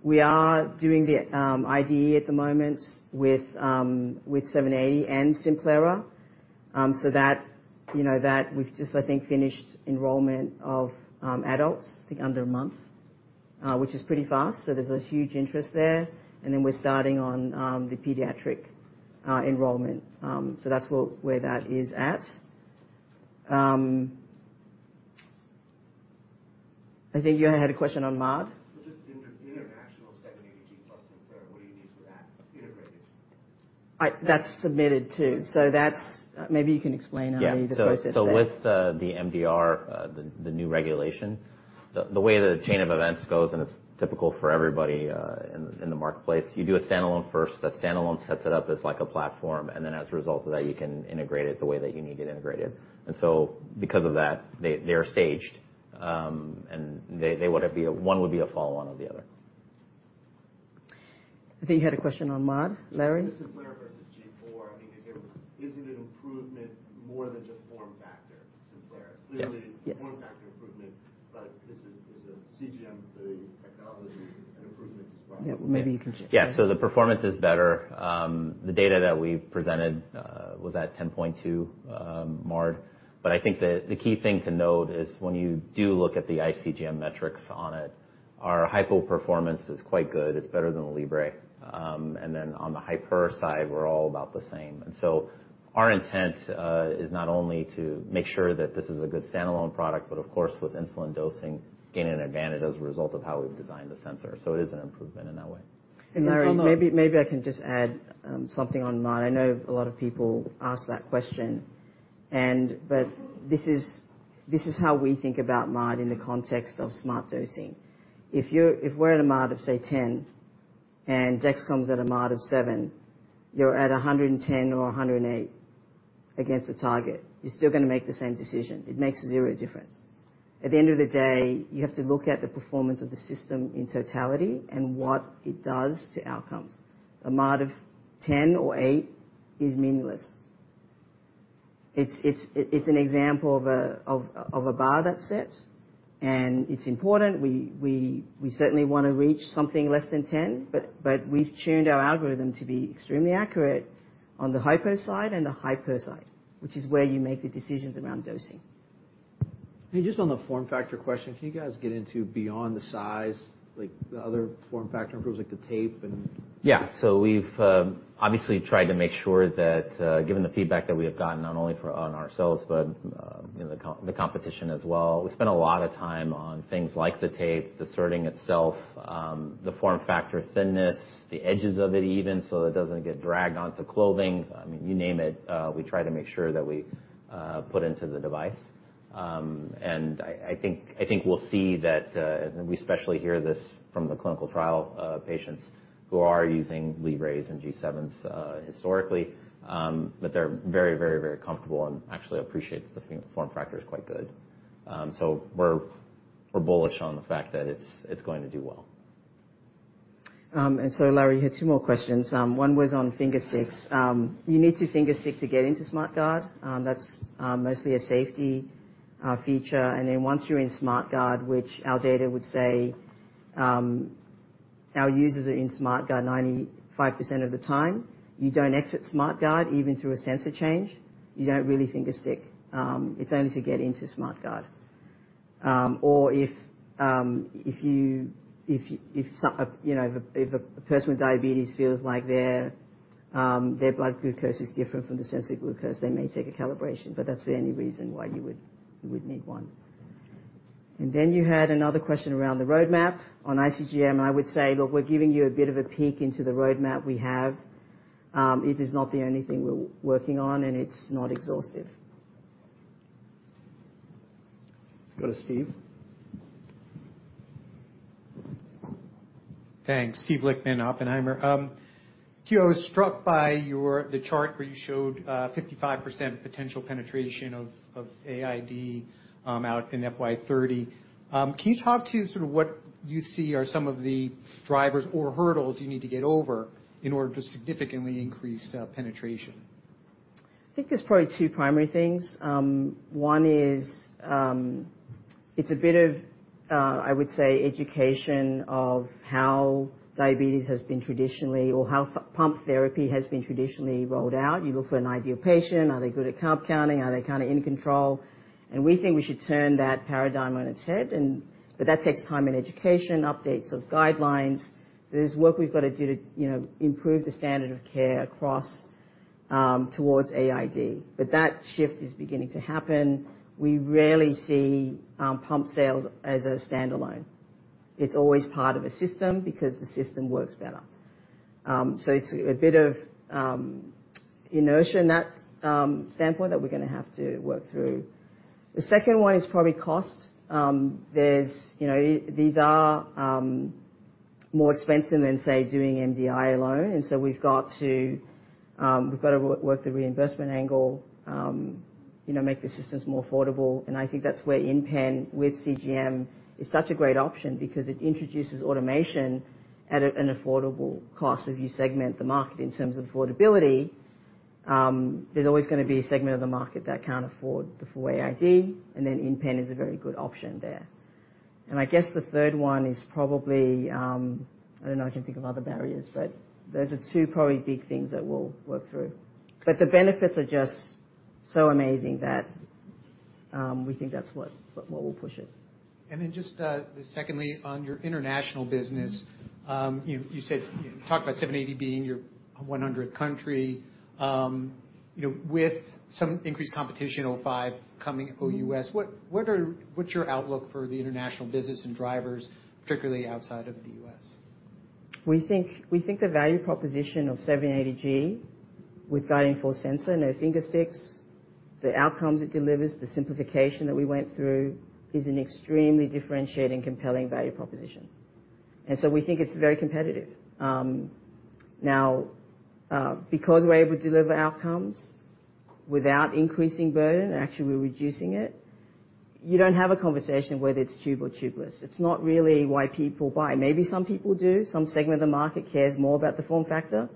we are doing the IDE at the moment with 780G and Simplera. That, you know, that we've just, I think, finished enrollment of adults, I think under a month, which is pretty fast. There's a huge interest there, and then we're starting on the pediatric enrollment. That's where that is at. I think you had a question on MARD? Just international segment, ADG plus Simplera, what do you do for that integrated? That's submitted, too. That's... maybe you can explain, Henry, the process there. Yeah. With the MDR, the new regulation, the way the chain of events goes, and it's typical for everybody in the marketplace, you do a standalone first. The standalone sets it up as like a platform, and then as a result of that, you can integrate it the way that you need it integrated. Because of that, they're staged, and they would be one would be a follow, one of the other. I think you had a question on MARD, Larry. This is Simplera versus G4. I mean, is it an improvement more than just form factor, Simplera? Yeah. Yes. Form factor improvement, is the CGM, the technology, an improvement as well? Yeah. Well, maybe you can- Yes, the performance is better. The data that we presented was at 10.2 MARD. I think the key thing to note is when you do look at the ICGM metrics on it, our hypo performance is quite good. It's better than the Libre. On the hyper side, we're all about the same. Our intent is not only to make sure that this is a good standalone product, but of course, with insulin dosing, gaining an advantage as a result of how we've designed the sensor. It is an improvement in that way. Larry, maybe I can just add something on MARD. I know a lot of people ask that question, but this is how we think about MARD in the context of smart dosing. If we're at a MARD of, say, 10, and Dexcom is at a MARD of seven, you're at 110 or 108 against the target. You're still gonna make the same decision. It makes zero difference. At the end of the day, you have to look at the performance of the system in totality and what it does to outcomes. A MARD of 10 or eight is meaningless. It's an example of a bar that's set, and it's important. We certainly wanna reach something less than ten, but we've tuned our algorithm to be extremely accurate on the hypo side and the hyper side, which is where you make the decisions around dosing. Just on the form factor question, can you guys get into beyond the size, like, the other form factor, improves, like, the tape and... Yeah. We've obviously tried to make sure that, given the feedback that we have gotten, not only for on ourselves, but, you know, the competition as well, we spent a lot of time on things like the tape, the sorting itself, the form factor, thinness, the edges of it even, so it doesn't get dragged onto clothing. I mean, you name it, we try to make sure that we put into the device. I think we'll see that we especially hear this from the clinical trial patients who are using Libres and G7s historically, but they're very comfortable and actually appreciate the form factor is quite good. We're bullish on the fact that it's going to do well. Larry, you had two more questions. One was on fingersticks. You need to fingerstick to get into SmartGuard. That's mostly a safety feature. Once you're in SmartGuard, which our data would say, our users are in SmartGuard 95% of the time, you don't exit SmartGuard, even through a sensor change. You don't really fingerstick. It's only to get into SmartGuard. Or if you know, if a person with diabetes feels like their blood glucose is different from the sensor glucose, they may take a calibration, but that's the only reason why you would need one. You had another question around the roadmap. On ICGM, I would say, look, we're giving you a bit of a peek into the roadmap we have. It is not the only thing we're working on, and it's not exhaustive. Let's go to Steve. Thanks. Steve Lichtman, Oppenheimer. I was struck by the chart where you showed 55% potential penetration of AID out in FY30. Can you talk to sort of what you see are some of the drivers or hurdles you need to get over in order to significantly increase penetration? I think there's probably two primary things. One is, it's a bit of, I would say, education of how diabetes has been traditionally or how pump therapy has been traditionally rolled out. You look for an ideal patient. Are they good at carb counting? Are they kinda in control? We think we should turn that paradigm on its head, but that takes time and education, updates of guidelines. There's work we've got to do to, you know, improve the standard of care across towards AID, but that shift is beginning to happen. We rarely see pump sales as a standalone. It's always part of a system because the system works better. So it's a bit of inertia in that standpoint that we're gonna have to work through. The second one is probably cost. There's, you know, these are more expensive than, say, doing MDI alone, and so we've got to work the reimbursement angle, you know, make the systems more affordable. I think that's where InPen with CGM is such a great option because it introduces automation at an affordable cost. If you segment the market in terms of affordability, there's always gonna be a segment of the market that can't afford the full AID, and then InPen is a very good option there. I guess the third one is probably, I don't know, I can think of other barriers, but those are two probably big things that we'll work through. The benefits are just so amazing that we think that's what will push it. Just, secondly, on your international business, you said, talked about 780G being your 100th country. You know, with some increased competition, Omnipod 5 coming OUS, what's your outlook for the international business and drivers, particularly outside of the U.S.? We think the value proposition of 780G with Guardian 4 sensor, no finger sticks, the outcomes it delivers, the simplification that we went through, is an extremely differentiating, compelling value proposition. We think it's very competitive. Now, because we're able to deliver outcomes without increasing burden, actually, we're reducing it, you don't have a conversation whether it's tube or tubeless. It's not really why people buy. Maybe some people do. Some segment of the market cares more about the form factor.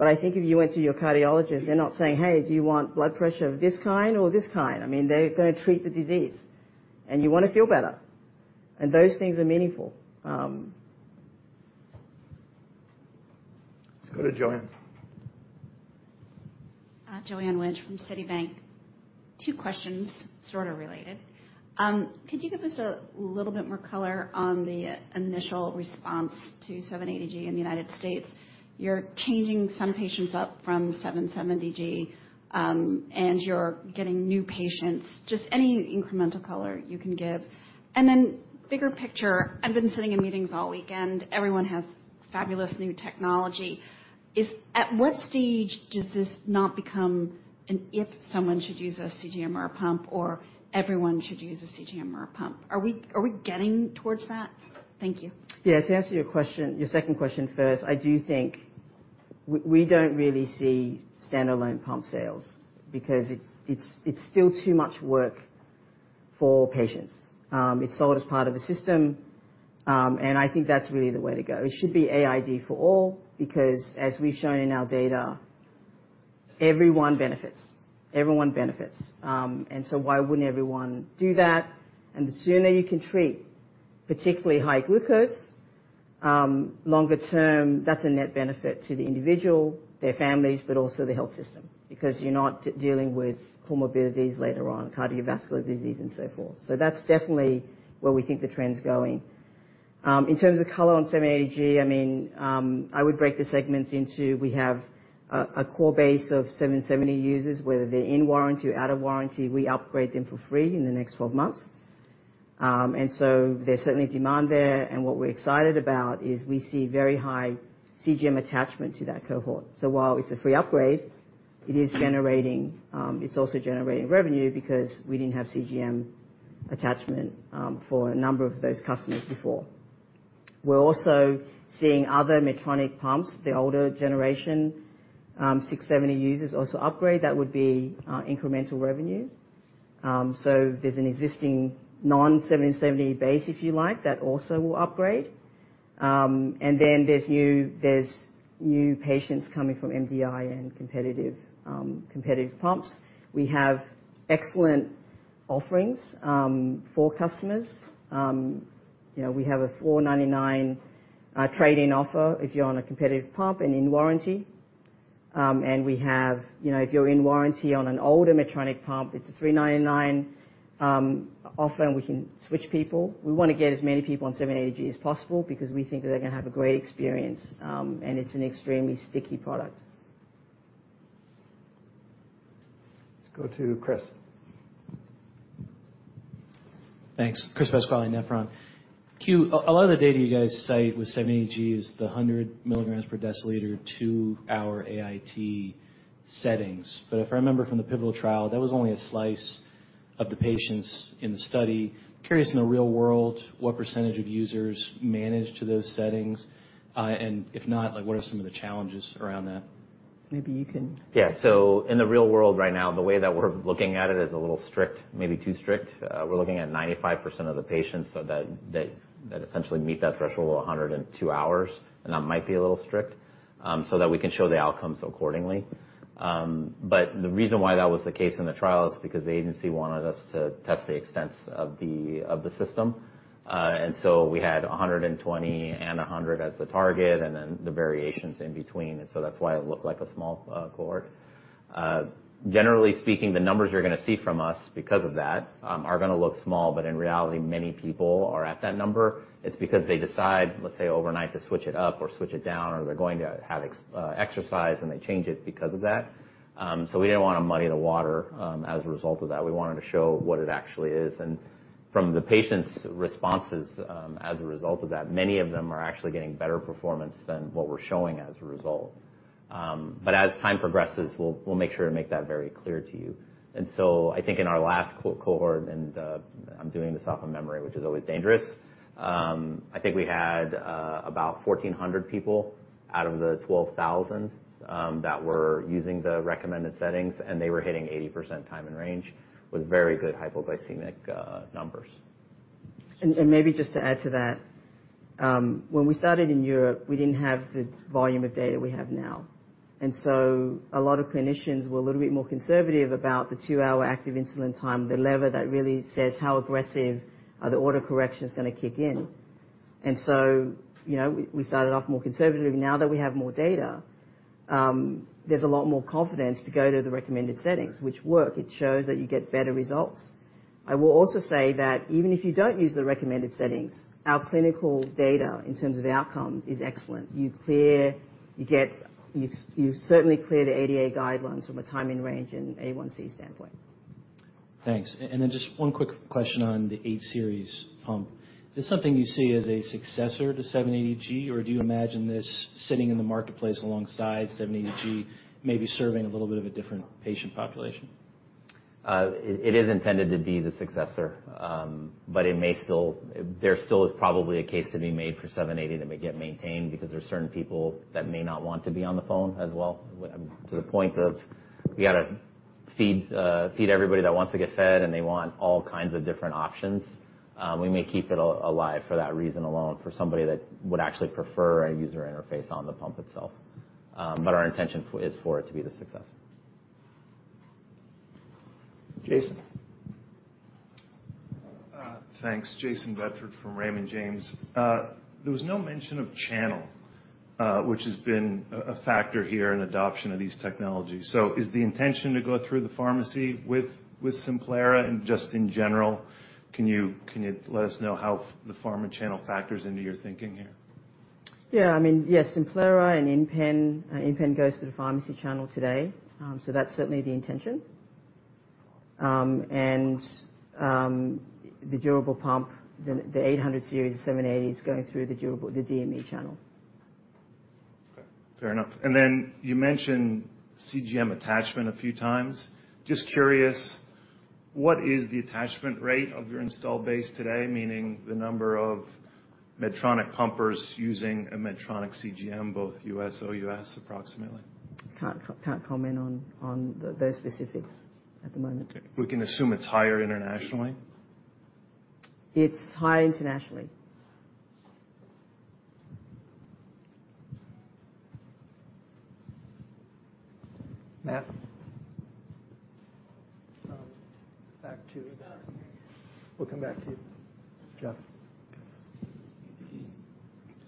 I think if you went to your cardiologist, they're not saying: Hey, do you want blood pressure of this kind or this kind? I mean, they're gonna treat the disease, and you wanna feel better, and those things are meaningful. Let's go to Joanne. Joanne Wuensch from Citi. Two questions, sort of related. Could you give us a little bit more color on the initial response to 780G in the United States? You're changing some patients up from 770G, and you're getting new patients, just any incremental color you can give. Bigger picture, I've been sitting in meetings all weekend. Everyone has fabulous new technology. At what stage does this not become an, if someone should use a CGM or a pump, or everyone should use a CGM or a pump? Are we getting towards that? Thank you. Yeah, to answer your question, your second question first, I do think we don't really see standalone pump sales because it's still too much work for patients. It's sold as part of a system, and I think that's really the way to go. It should be AID for all, because as we've shown in our data, everyone benefits. Everyone benefits. Why wouldn't everyone do that? The sooner you can treat, particularly high glucose, longer term, that's a net benefit to the individual, their families, but also the health system, because you're not dealing with comorbidities later on, cardiovascular disease and so forth. That's definitely where we think the trend's going. In terms of color on 780G, I mean, I would break the segments into we have a core base of 770 users, whether they're in warranty or out of warranty, we upgrade them for free in the next 12 months. There's certainly demand there, and what we're excited about is we see very high CGM attachment to that cohort. While it's a free upgrade, it is generating, it's also generating revenue because we didn't have CGM attachment for a number of those customers before. We're also seeing other Medtronic pumps, the older generation, 670 users also upgrade. That would be incremental revenue. There's an existing non-770 base, if you like, that also will upgrade. There's new patients coming from MDI and competitive pumps. We have excellent offerings for customers. You know, we have a $499 trade-in offer if you're on a competitive pump and in warranty. We have, you know, if you're in warranty on an older Medtronic pump, it's a $399 offer, and we can switch people. We want to get as many people on 780G as possible because we think they're gonna have a great experience, and it's an extremely sticky product. Let's go to Chris. Thanks. Chris Pasquale, Nephron. Q, a lot of the data you guys cite with 780G is the 100 milligrams per deciliter to our AIT settings. If I remember from the pivotal trial, that was only a slice of the patients in the study. Curious, in the real world, what % of users manage to those settings? If not, like, what are some of the challenges around that? Maybe you can- Yeah. In the real world right now, the way that we're looking at it is a little strict, maybe too strict. We're looking at 95% of the patients so that they essentially meet that threshold of 102 hours, and that might be a little strict, so that we can show the outcomes accordingly. The reason why that was the case in the trial is because the agency wanted us to test the extents of the, of the system. We had 120 and 100 as the target, and then the variations in between, that's why it looked like a small cohort. Generally speaking, the numbers you're gonna see from us because of that, are gonna look small, but in reality, many people are at that number. It's because they decide, let's say, overnight, to switch it up or switch it down, or they're going to have exercise, and they change it because of that. We didn't want to muddy the water as a result of that. We wanted to show what it actually is. From the patient's responses, as a result of that, many of them are actually getting better performance than what we're showing as a result. As time progresses, we'll make sure to make that very clear to you. I think in our last cohort, and I'm doing this off of memory, which is always dangerous, I think we had about 1,400 people out of the 12,000 that were using the recommended settings, and they were hitting 80% time and range with very good hypoglycemic numbers. Maybe just to add to that, when we started in Europe, we didn't have the volume of data we have now, so a lot of clinicians were a little bit more conservative about the 2-hour active insulin time, the lever that really says how aggressive the auto correction is gonna kick in. So, you know, we started off more conservative. Now that we have more data, there's a lot more confidence to go to the recommended settings, which work. It shows that you get better results. I will also say that even if you don't use the recommended settings, our clinical data, in terms of outcomes, is excellent. You certainly clear the ADA guidelines from a time and range and A1C standpoint. Thanks. Then just one quick question on the 8 series pump. Is this something you see as a successor to 780G, or do you imagine this sitting in the marketplace alongside 780G, maybe serving a little bit of a different patient population? It is intended to be the successor, but it may still. There still is probably a case to be made for 780 that may get maintained because there are certain people that may not want to be on the phone as well. To the point of we gotta feed everybody that wants to get fed, and they want all kinds of different options. We may keep it alive for that reason alone, for somebody that would actually prefer a user interface on the pump itself. Our intention is for it to be the successor. Jayson? Thanks. Jayson Bedford from Raymond James. There was no mention of channel, which has been a factor here in adoption of these technologies. Is the intention to go through the pharmacy with Simplera? Just in general, can you let us know how the pharma channel factors into your thinking here? Yeah, I mean, yes, Simplera and InPen. InPen goes to the pharmacy channel today, so that's certainly the intention. The durable pump, the 800 series, 780G, is going through the DME channel. Okay, fair enough. You mentioned CGM attachment a few times. Just curious, what is the attachment rate of your install base today, meaning the number of Medtronic pumpers using a Medtronic CGM, both U.S., OUS, approximately? Can't comment on those specifics at the moment. We can assume it's higher internationally? It's higher internationally. Matt? Back to you. We'll come back to you. Jeff.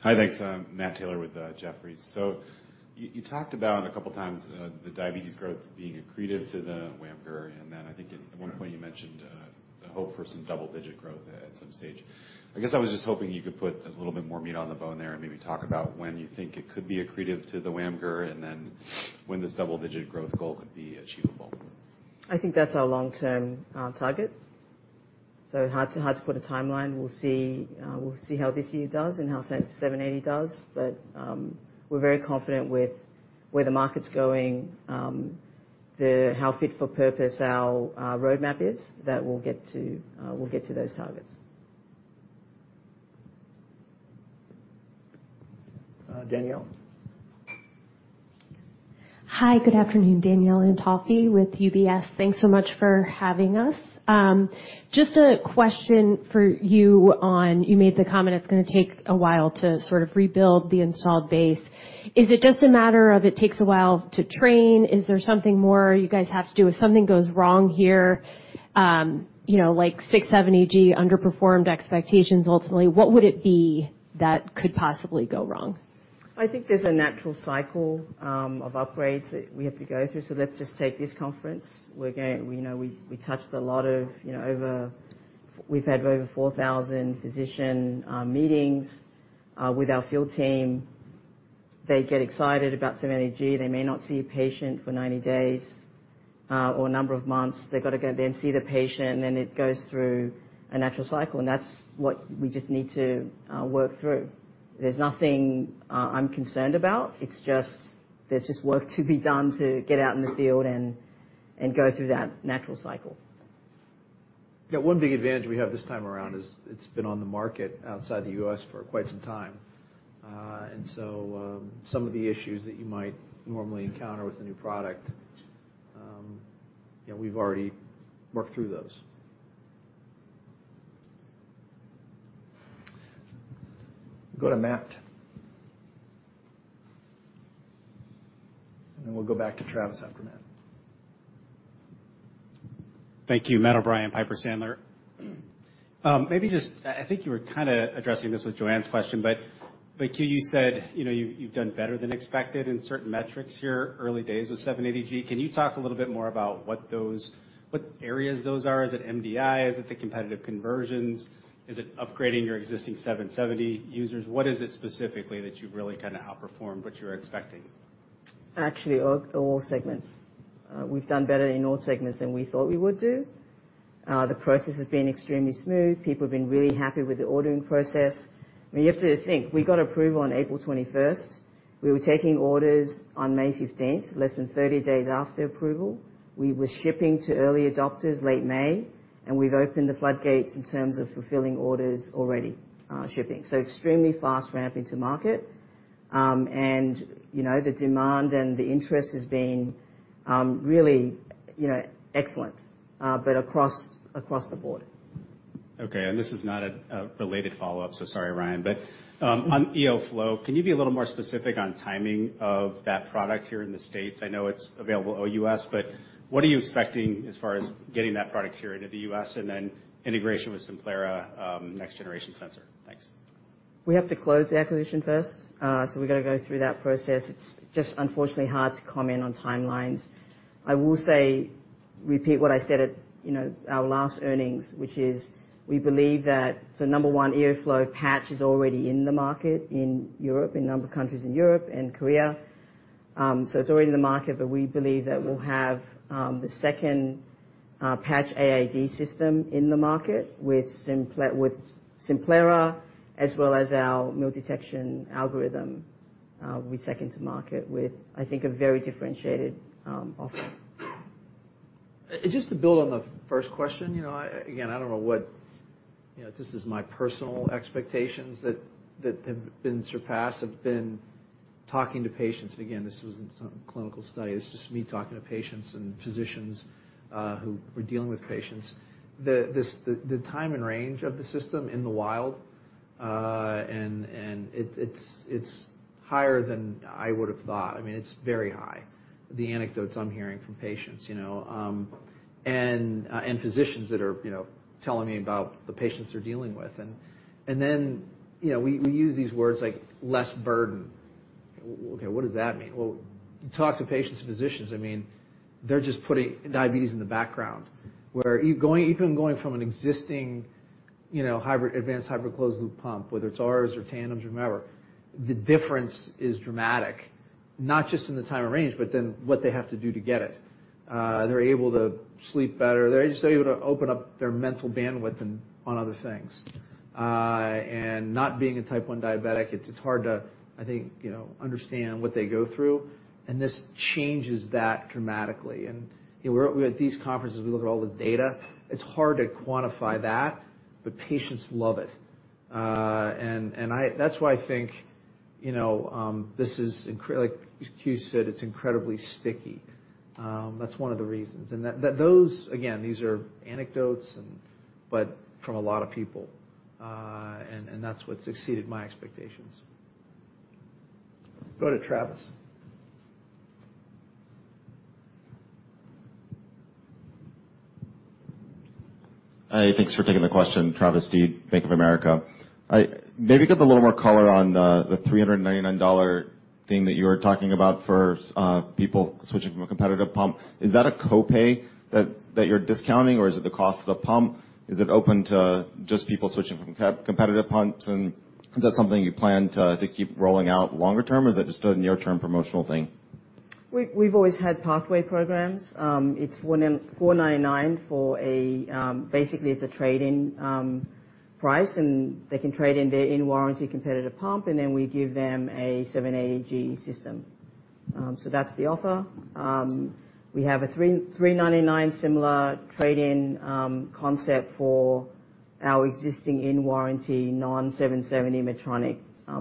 Hi, thanks. Matt Taylor with Jefferies. You, you talked about a couple of times, the diabetes growth being accretive to the WAMGR. I think at 1 point, you mentioned, the hope for some double-digit growth at some stage. I guess I was just hoping you could put a little bit more meat on the bone there and maybe talk about when you think it could be accretive to the WAMGR, when this double-digit growth goal could be achievable? I think that's our long-term target, so hard to put a timeline. We'll see how this year does and how 780G does, but we're very confident with where the market's going, how fit for purpose our roadmap is. That we'll get to those targets. Danielle. Hi, good afternoon, Danielle Antalffy with UBS. Thanks so much for having us. Just a question for you on... You made the comment it's gonna take a while to sort of rebuild the installed base. Is it just a matter of it takes a while to train? Is there something more you guys have to do if something goes wrong here, you know, like 670G underperformed expectations ultimately? What would it be that could possibly go wrong? I think there's a natural cycle of upgrades that we have to go through. Let's just take this conference. We know we touched a lot of, you know, We've had over 4,000 physician meetings with our field team. They get excited about some energy. They may not see a patient for 90 days or a number of months. They've got to go then see the patient, and then it goes through a natural cycle, and that's what we just need to work through. There's nothing I'm concerned about. There's just work to be done to get out in the field and go through that natural cycle. Yeah, one big advantage we have this time around is it's been on the market outside the U.S. for quite some time. Some of the issues that you might normally encounter with a new product, you know, we've already worked through those. Go to Matt. We'll go back to Travis after Matt. Thank you. Matt O'Brien, Piper Sandler. I think you were kind of addressing this with Joanne's question, Q, you said, you know, you've done better than expected in certain metrics here, early days with 780G. Can you talk a little bit more about what those, what areas those are? Is it MDI? Is it the competitive conversions? Is it upgrading your existing 770G users? What is it specifically that you've really kind of outperformed what you were expecting? Actually, all segments. We've done better in all segments than we thought we would do. The process has been extremely smooth. People have been really happy with the ordering process. I mean, you have to think, we got approval on April 21st. We were taking orders on May 15th, less than 30 days after approval. We were shipping to early adopters late May, and we've opened the floodgates in terms of fulfilling orders already, shipping. Extremely fast ramp into market. The demand and the interest has been really, you know, excellent across the board. Okay. This is not a related follow-up, so sorry, Ryan. On EOFlow, can you be a little more specific on timing of that product here in the States? I know it's available OUS, but what are you expecting as far as getting that product here into the US, and then integration with Simplera, next generation sensor? Thanks. We have to close the acquisition first. We've got to go through that process. It's just unfortunately hard to comment on timelines. I will say, repeat what I said at, you know, our last earnings, which is we believe that the number one, EOFlow patch is already in the market in Europe, in a number of countries in Europe and Korea. It's already in the market, but we believe that we'll have the second patch AID system in the market with Simplera, as well as our meal detection algorithm. We second to market with, I think, a very differentiated offer. Just to build on the first question, you know, again, I don't know what. You know, this is my personal expectations that have been surpassed, have been talking to patients. Again, this wasn't some clinical study. It's just me talking to patients and physicians who were dealing with patients. The time and range of the system in the wild, and it's higher than I would have thought. I mean, it's very high, the anecdotes I'm hearing from patients, you know, and physicians that are, you know, telling me about the patients they're dealing with. Then, you know, we use these words like less burden. Okay, what does that mean? Well, you talk to patients and physicians, I mean, they're just putting diabetes in the background, where even going from an existing, you know, hybrid, advanced hybrid, closed loop pump, whether it's ours or Tandems or whatever, the difference is dramatic, not just in the time of range, but then what they have to do to get it. They're able to sleep better. They're just able to open up their mental bandwidth and on other things. Not being a type one diabetic, it's hard to, I think, you know, understand what they go through, and this changes that dramatically. You know, we're at these conferences, we look at all this data, it's hard to quantify that, but patients love it. That's why I think, you know, this is incredibly, like Que said, it's incredibly sticky. That's one of the reasons. That, those, again, these are anecdotes and, but from a lot of people, and that's what succeeded my expectations. Go to Travis. Hi, thanks for taking the question. Travis Steed, Bank of America. Maybe give a little more color on the $399 thing that you were talking about for people switching from a competitive pump. Is that a copay that you're discounting, or is it the cost of the pump? Is it open to just people switching from competitive pumps, and is that something you plan to keep rolling out longer term, or is it just a near-term promotional thing? We've always had pathway programs. It's $1,499 for a basically, it's a trade-in price, and they can trade in their in-warranty competitive pump, and then we give them a 780G system. That's the offer. We have a $399 similar trade-in concept for our existing in-warranty, non-770G Medtronic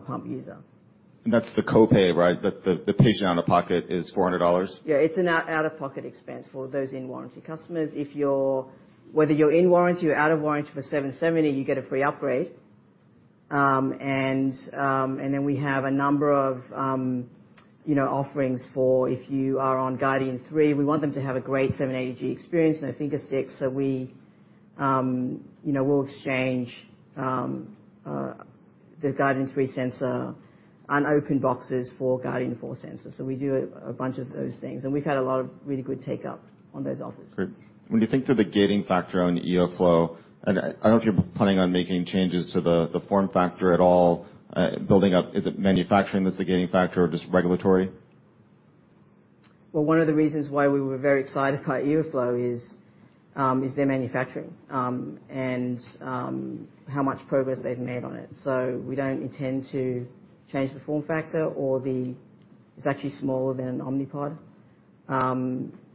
pump user. that's the copay, right? The patient out-of-pocket is $400? It's an out-of-pocket expense for those in-warranty customers. Whether you're in warranty or out of warranty for 770G, you get a free upgrade. Then we have a number of, you know, offerings for if you are on Guardian 3, we want them to have a great 780G experience, no finger sticks, we, you know, we'll exchange the Guardian 3 sensor unopened boxes for Guardian 4 sensors. We do a bunch of those things, and we've had a lot of really good takeup on those offers. Great. When you think through the gating factor on the EOFlow, and I don't know if you're planning on making changes to the form factor at all, building up. Is it manufacturing that's the gating factor or just regulatory? One of the reasons why we were very excited by EOFlow is their manufacturing and how much progress they've made on it. We don't intend to change the form factor or It's actually smaller than an Omnipod.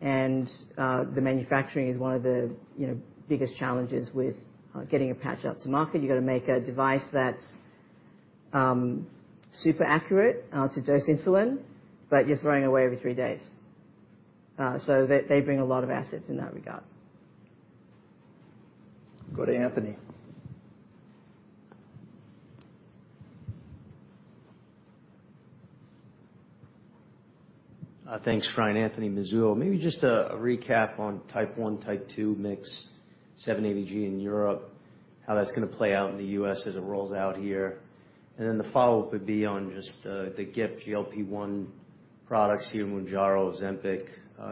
The manufacturing is one of the, you know, biggest challenges with getting a patch out to market. You've got to make a device that's super accurate to dose insulin, but you're throwing away every 3 days. They bring a lot of assets in that regard. Go to Anthony. Thanks, Ryan. Anthony Missour. Maybe a recap on type 1, type 2 mix, 780G in Europe, how that's gonna play out in the U.S. as it rolls out here. The follow-up would be on the GIP GLP-1 products here, Mounjaro, Ozempic,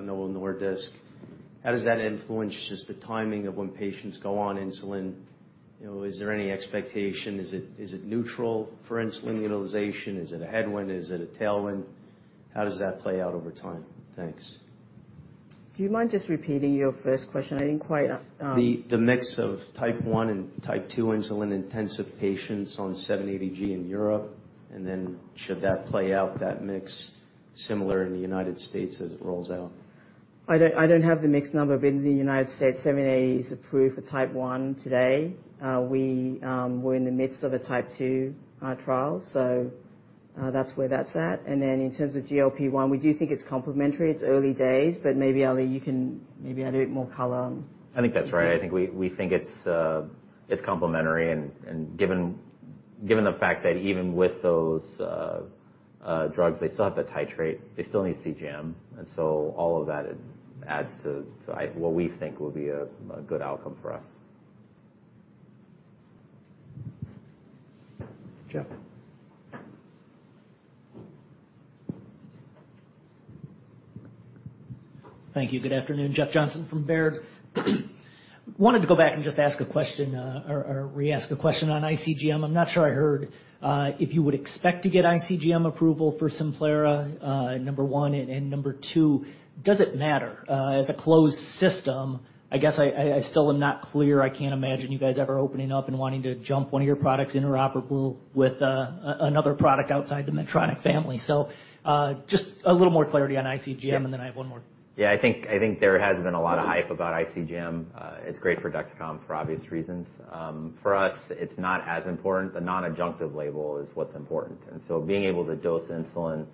Novo Nordisk. How does that influence just the timing of when patients go on insulin? You know, is there any expectation? Is it, is it neutral for insulin utilization? Is it a headwind? Is it a tailwind? How does that play out over time? Thanks. Do you mind just repeating your first question? I didn't quite. The mix of Type 1 and Type 2 insulin-intensive patients on 780G in Europe, then should that play out, that mix similar in the United States as it rolls out? I don't have the mixed number, but in the United States, 780 is approved for type 1 today. We're in the midst of a type 2 trial, that's where that's at. In terms of GLP-1, we do think it's complementary. It's early days, but maybe, Ali, you can add a bit more color on. I think that's right. I think we think it's complementary, and given the fact that even with those drugs, they still have to titrate, they still need CGM. All of that adds to what we think will be a good outcome for us. Jeff. Thank you. Good afternoon, Jeff Johnson from Baird. Wanted to go back and just ask a question, or reask a question on ICGM. I'm not sure I heard, if you would expect to get ICGM approval for Simplera, number one. Number two, does it matter, as a closed system? I guess I still am not clear. I can't imagine you guys ever opening up and wanting to jump one of your products interoperable with another product outside the Medtronic family. Just a little more clarity on ICGM, and then I have one more. Yeah, I think there has been a lot of hype about ICGM. It's great for Dexcom, for obvious reasons. For us, it's not as important. The non-adjunctive label is what's important. Being able to dose insulin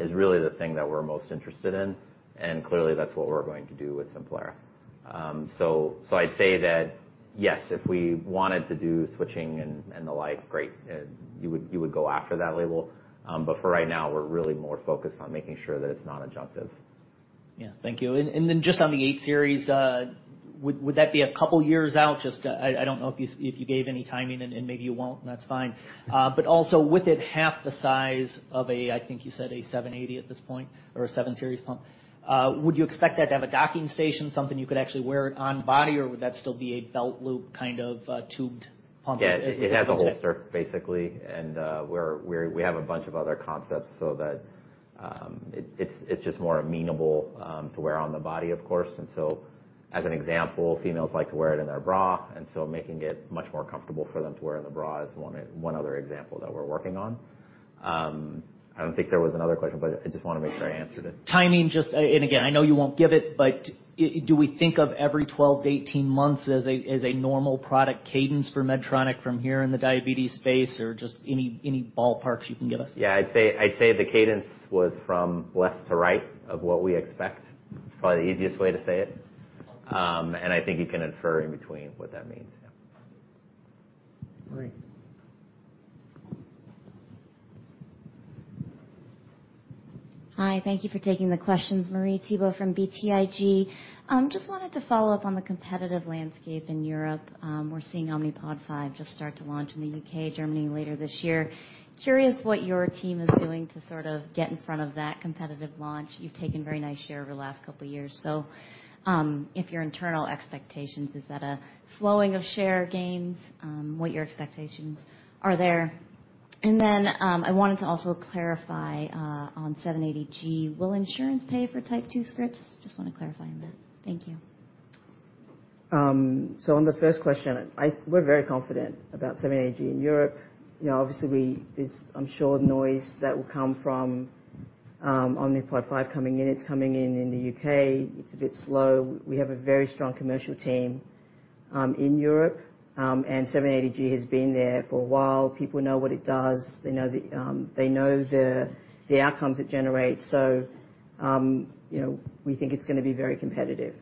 is really the thing that we're most interested in, and clearly, that's what we're going to do with Simplera. I'd say that, yes, if we wanted to do switching and the like, great, you would go after that label. For right now, we're really more focused on making sure that it's non-adjunctive. Yeah. Thank you. Then just on the 800 series, would that be 2 years out? Just, I don't know if you if you gave any timing, and maybe you won't, and that's fine. Also with it half the size of a, I think you said a 780G at this point or a seven series pump, would you expect that to have a docking station, something you could actually wear it on the body, or would that still be a belt loop, kind of, tubed pump as you said? Yeah, it has a holster, basically. We have a bunch of other concepts so that it's just more amenable to wear on the body, of course. As an example, females like to wear it in their bra, making it much more comfortable for them to wear in the bra is one other example that we're working on. I don't think there was another question, but I just wanna make sure I answered it. Timing, just... again, I know you won't give it, but do we think of every 12 to 18 months as a normal product cadence for Medtronic from here in the diabetes space, or just any ballparks you can give us? Yeah, I'd say the cadence was from left to right of what we expect. It's probably the easiest way to say it. I think you can infer in between what that means. Yeah. Marie. Hi, thank you for taking the questions. Marie Thibault from BTIG. Just wanted to follow up on the competitive landscape in Europe. We're seeing Omnipod 5 just start to launch in the UK, Germany later this year. Curious what your team is doing to sort of get in front of that competitive launch. You've taken very nice share over the last couple of years. If your internal expectations, is that a slowing of share gains? What your expectations are there? I wanted to also clarify, on 780G, will insurance pay for type 2 scripts? Just wanna clarify on that. Thank you. On the first question, we're very confident about 780G in Europe. You know, obviously, it's, I'm sure, noise that will come from Omnipod 5 coming in. It's coming in in the U.K. It's a bit slow. We have a very strong commercial team in Europe, and 780G has been there for a while. People know what it does. They know the outcomes it generates. You know, we think it's gonna be very competitive.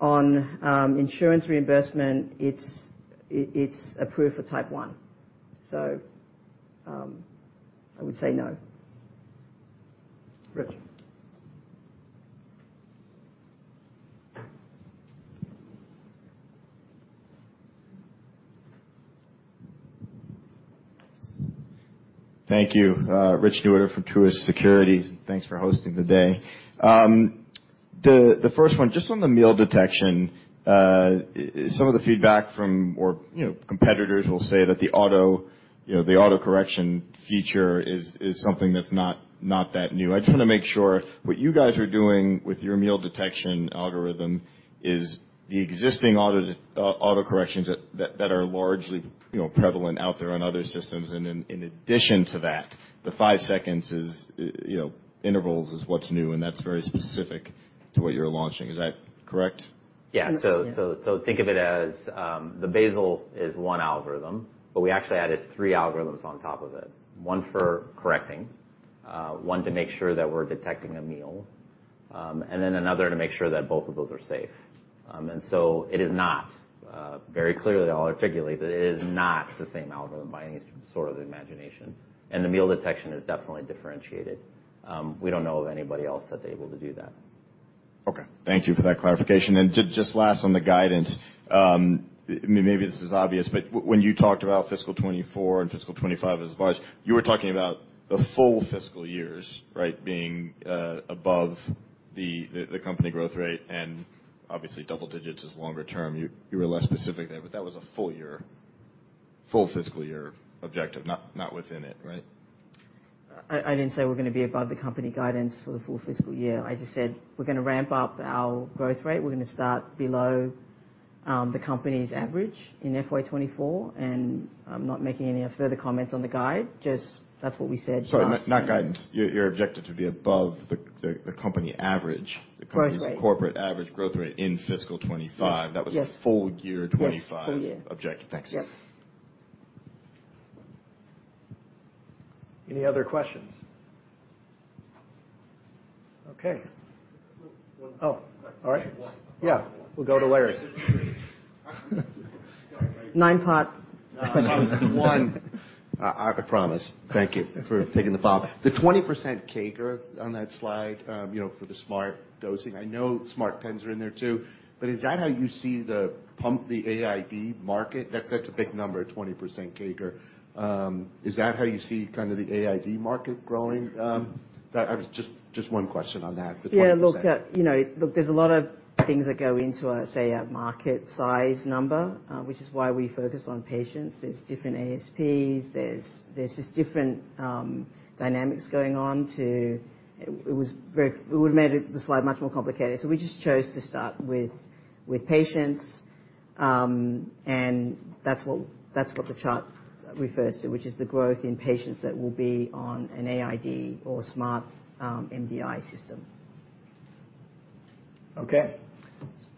On insurance reimbursement, it's approved for type 1, I would say no. Rich. Thank you. Richard Newitter from Truist Securities. Thanks for hosting today. The first one, just on the meal detection, some of the feedback from or competitors will say that the auto, the autocorrection feature is something that's not that new. I just wanna make sure what you guys are doing with your meal detection algorithm is the existing auto, autocorrections that are largely prevalent out there on other systems. In addition to that, the 5 seconds is intervals is what's new, and that's very specific to what you're launching. Is that correct? Yeah. Yes. Think of it as, the basal is one algorithm, but we actually added three algorithms on top of it. One for correcting, one to make sure that we're detecting a meal, and then another to make sure that both of those are safe. It is not, very clearly I'll articulate, it is not the same algorithm by any sort of imagination, and the meal detection is definitely differentiated. We don't know of anybody else that's able to do that. Okay. Thank you for that clarification. Just last on the guidance, maybe this is obvious, but when you talked about fiscal 2024 and fiscal 2025 as far as you were talking about the full fiscal years, right, being above the company growth rate, and obviously, double digits is longer term. You were less specific there, but that was a full year? full fiscal year objective, not within it, right? I didn't say we're gonna be above the company guidance for the full fiscal year. I just said we're gonna ramp up our growth rate. We're gonna start below the company's average in FY24, and I'm not making any further comments on the guide, just that's what we said last- Sorry, not guidance. Your, your objective to be above the, the company average. Growth rate. The company's corporate average growth rate in fiscal 2025. Yes. That was full year 2025- Yes, full year. Objective. Thanks. Yes. Any other questions? Okay. All right. We'll go to Larry. Omnipod. One. I promise. Thank you for taking the follow-up. The 20% CAGR on that slide, you know, for the smart dosing, I know smart pens are in there, too, but is that how you see the pump, the AID market? That's a big number, 20% CAGR. Is that how you see kind of the AID market growing? Just one question on that, the 20%. Yeah, look, you know, look, there's a lot of things that go into, say, a market size number, which is why we focus on patients. There's different ASPs, there's just different dynamics going on to... We would have made it, the slide, much more complicated, so we just chose to start with patients. That's what the chart refers to, which is the growth in patients that will be on an AID or Smart MDI system. Okay.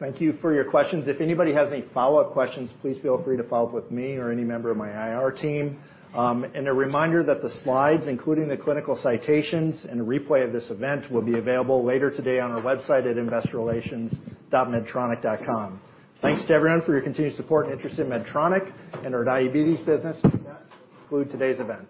Thank you for your questions. If anybody has any follow-up questions, please feel free to follow up with me or any member of my IR team. A reminder that the slides, including the clinical citations and a replay of this event, will be available later today on our website at investorrelations.medtronic.com. Thanks to everyone for your continued support and interest in Medtronic and our diabetes business. That concludes today's event.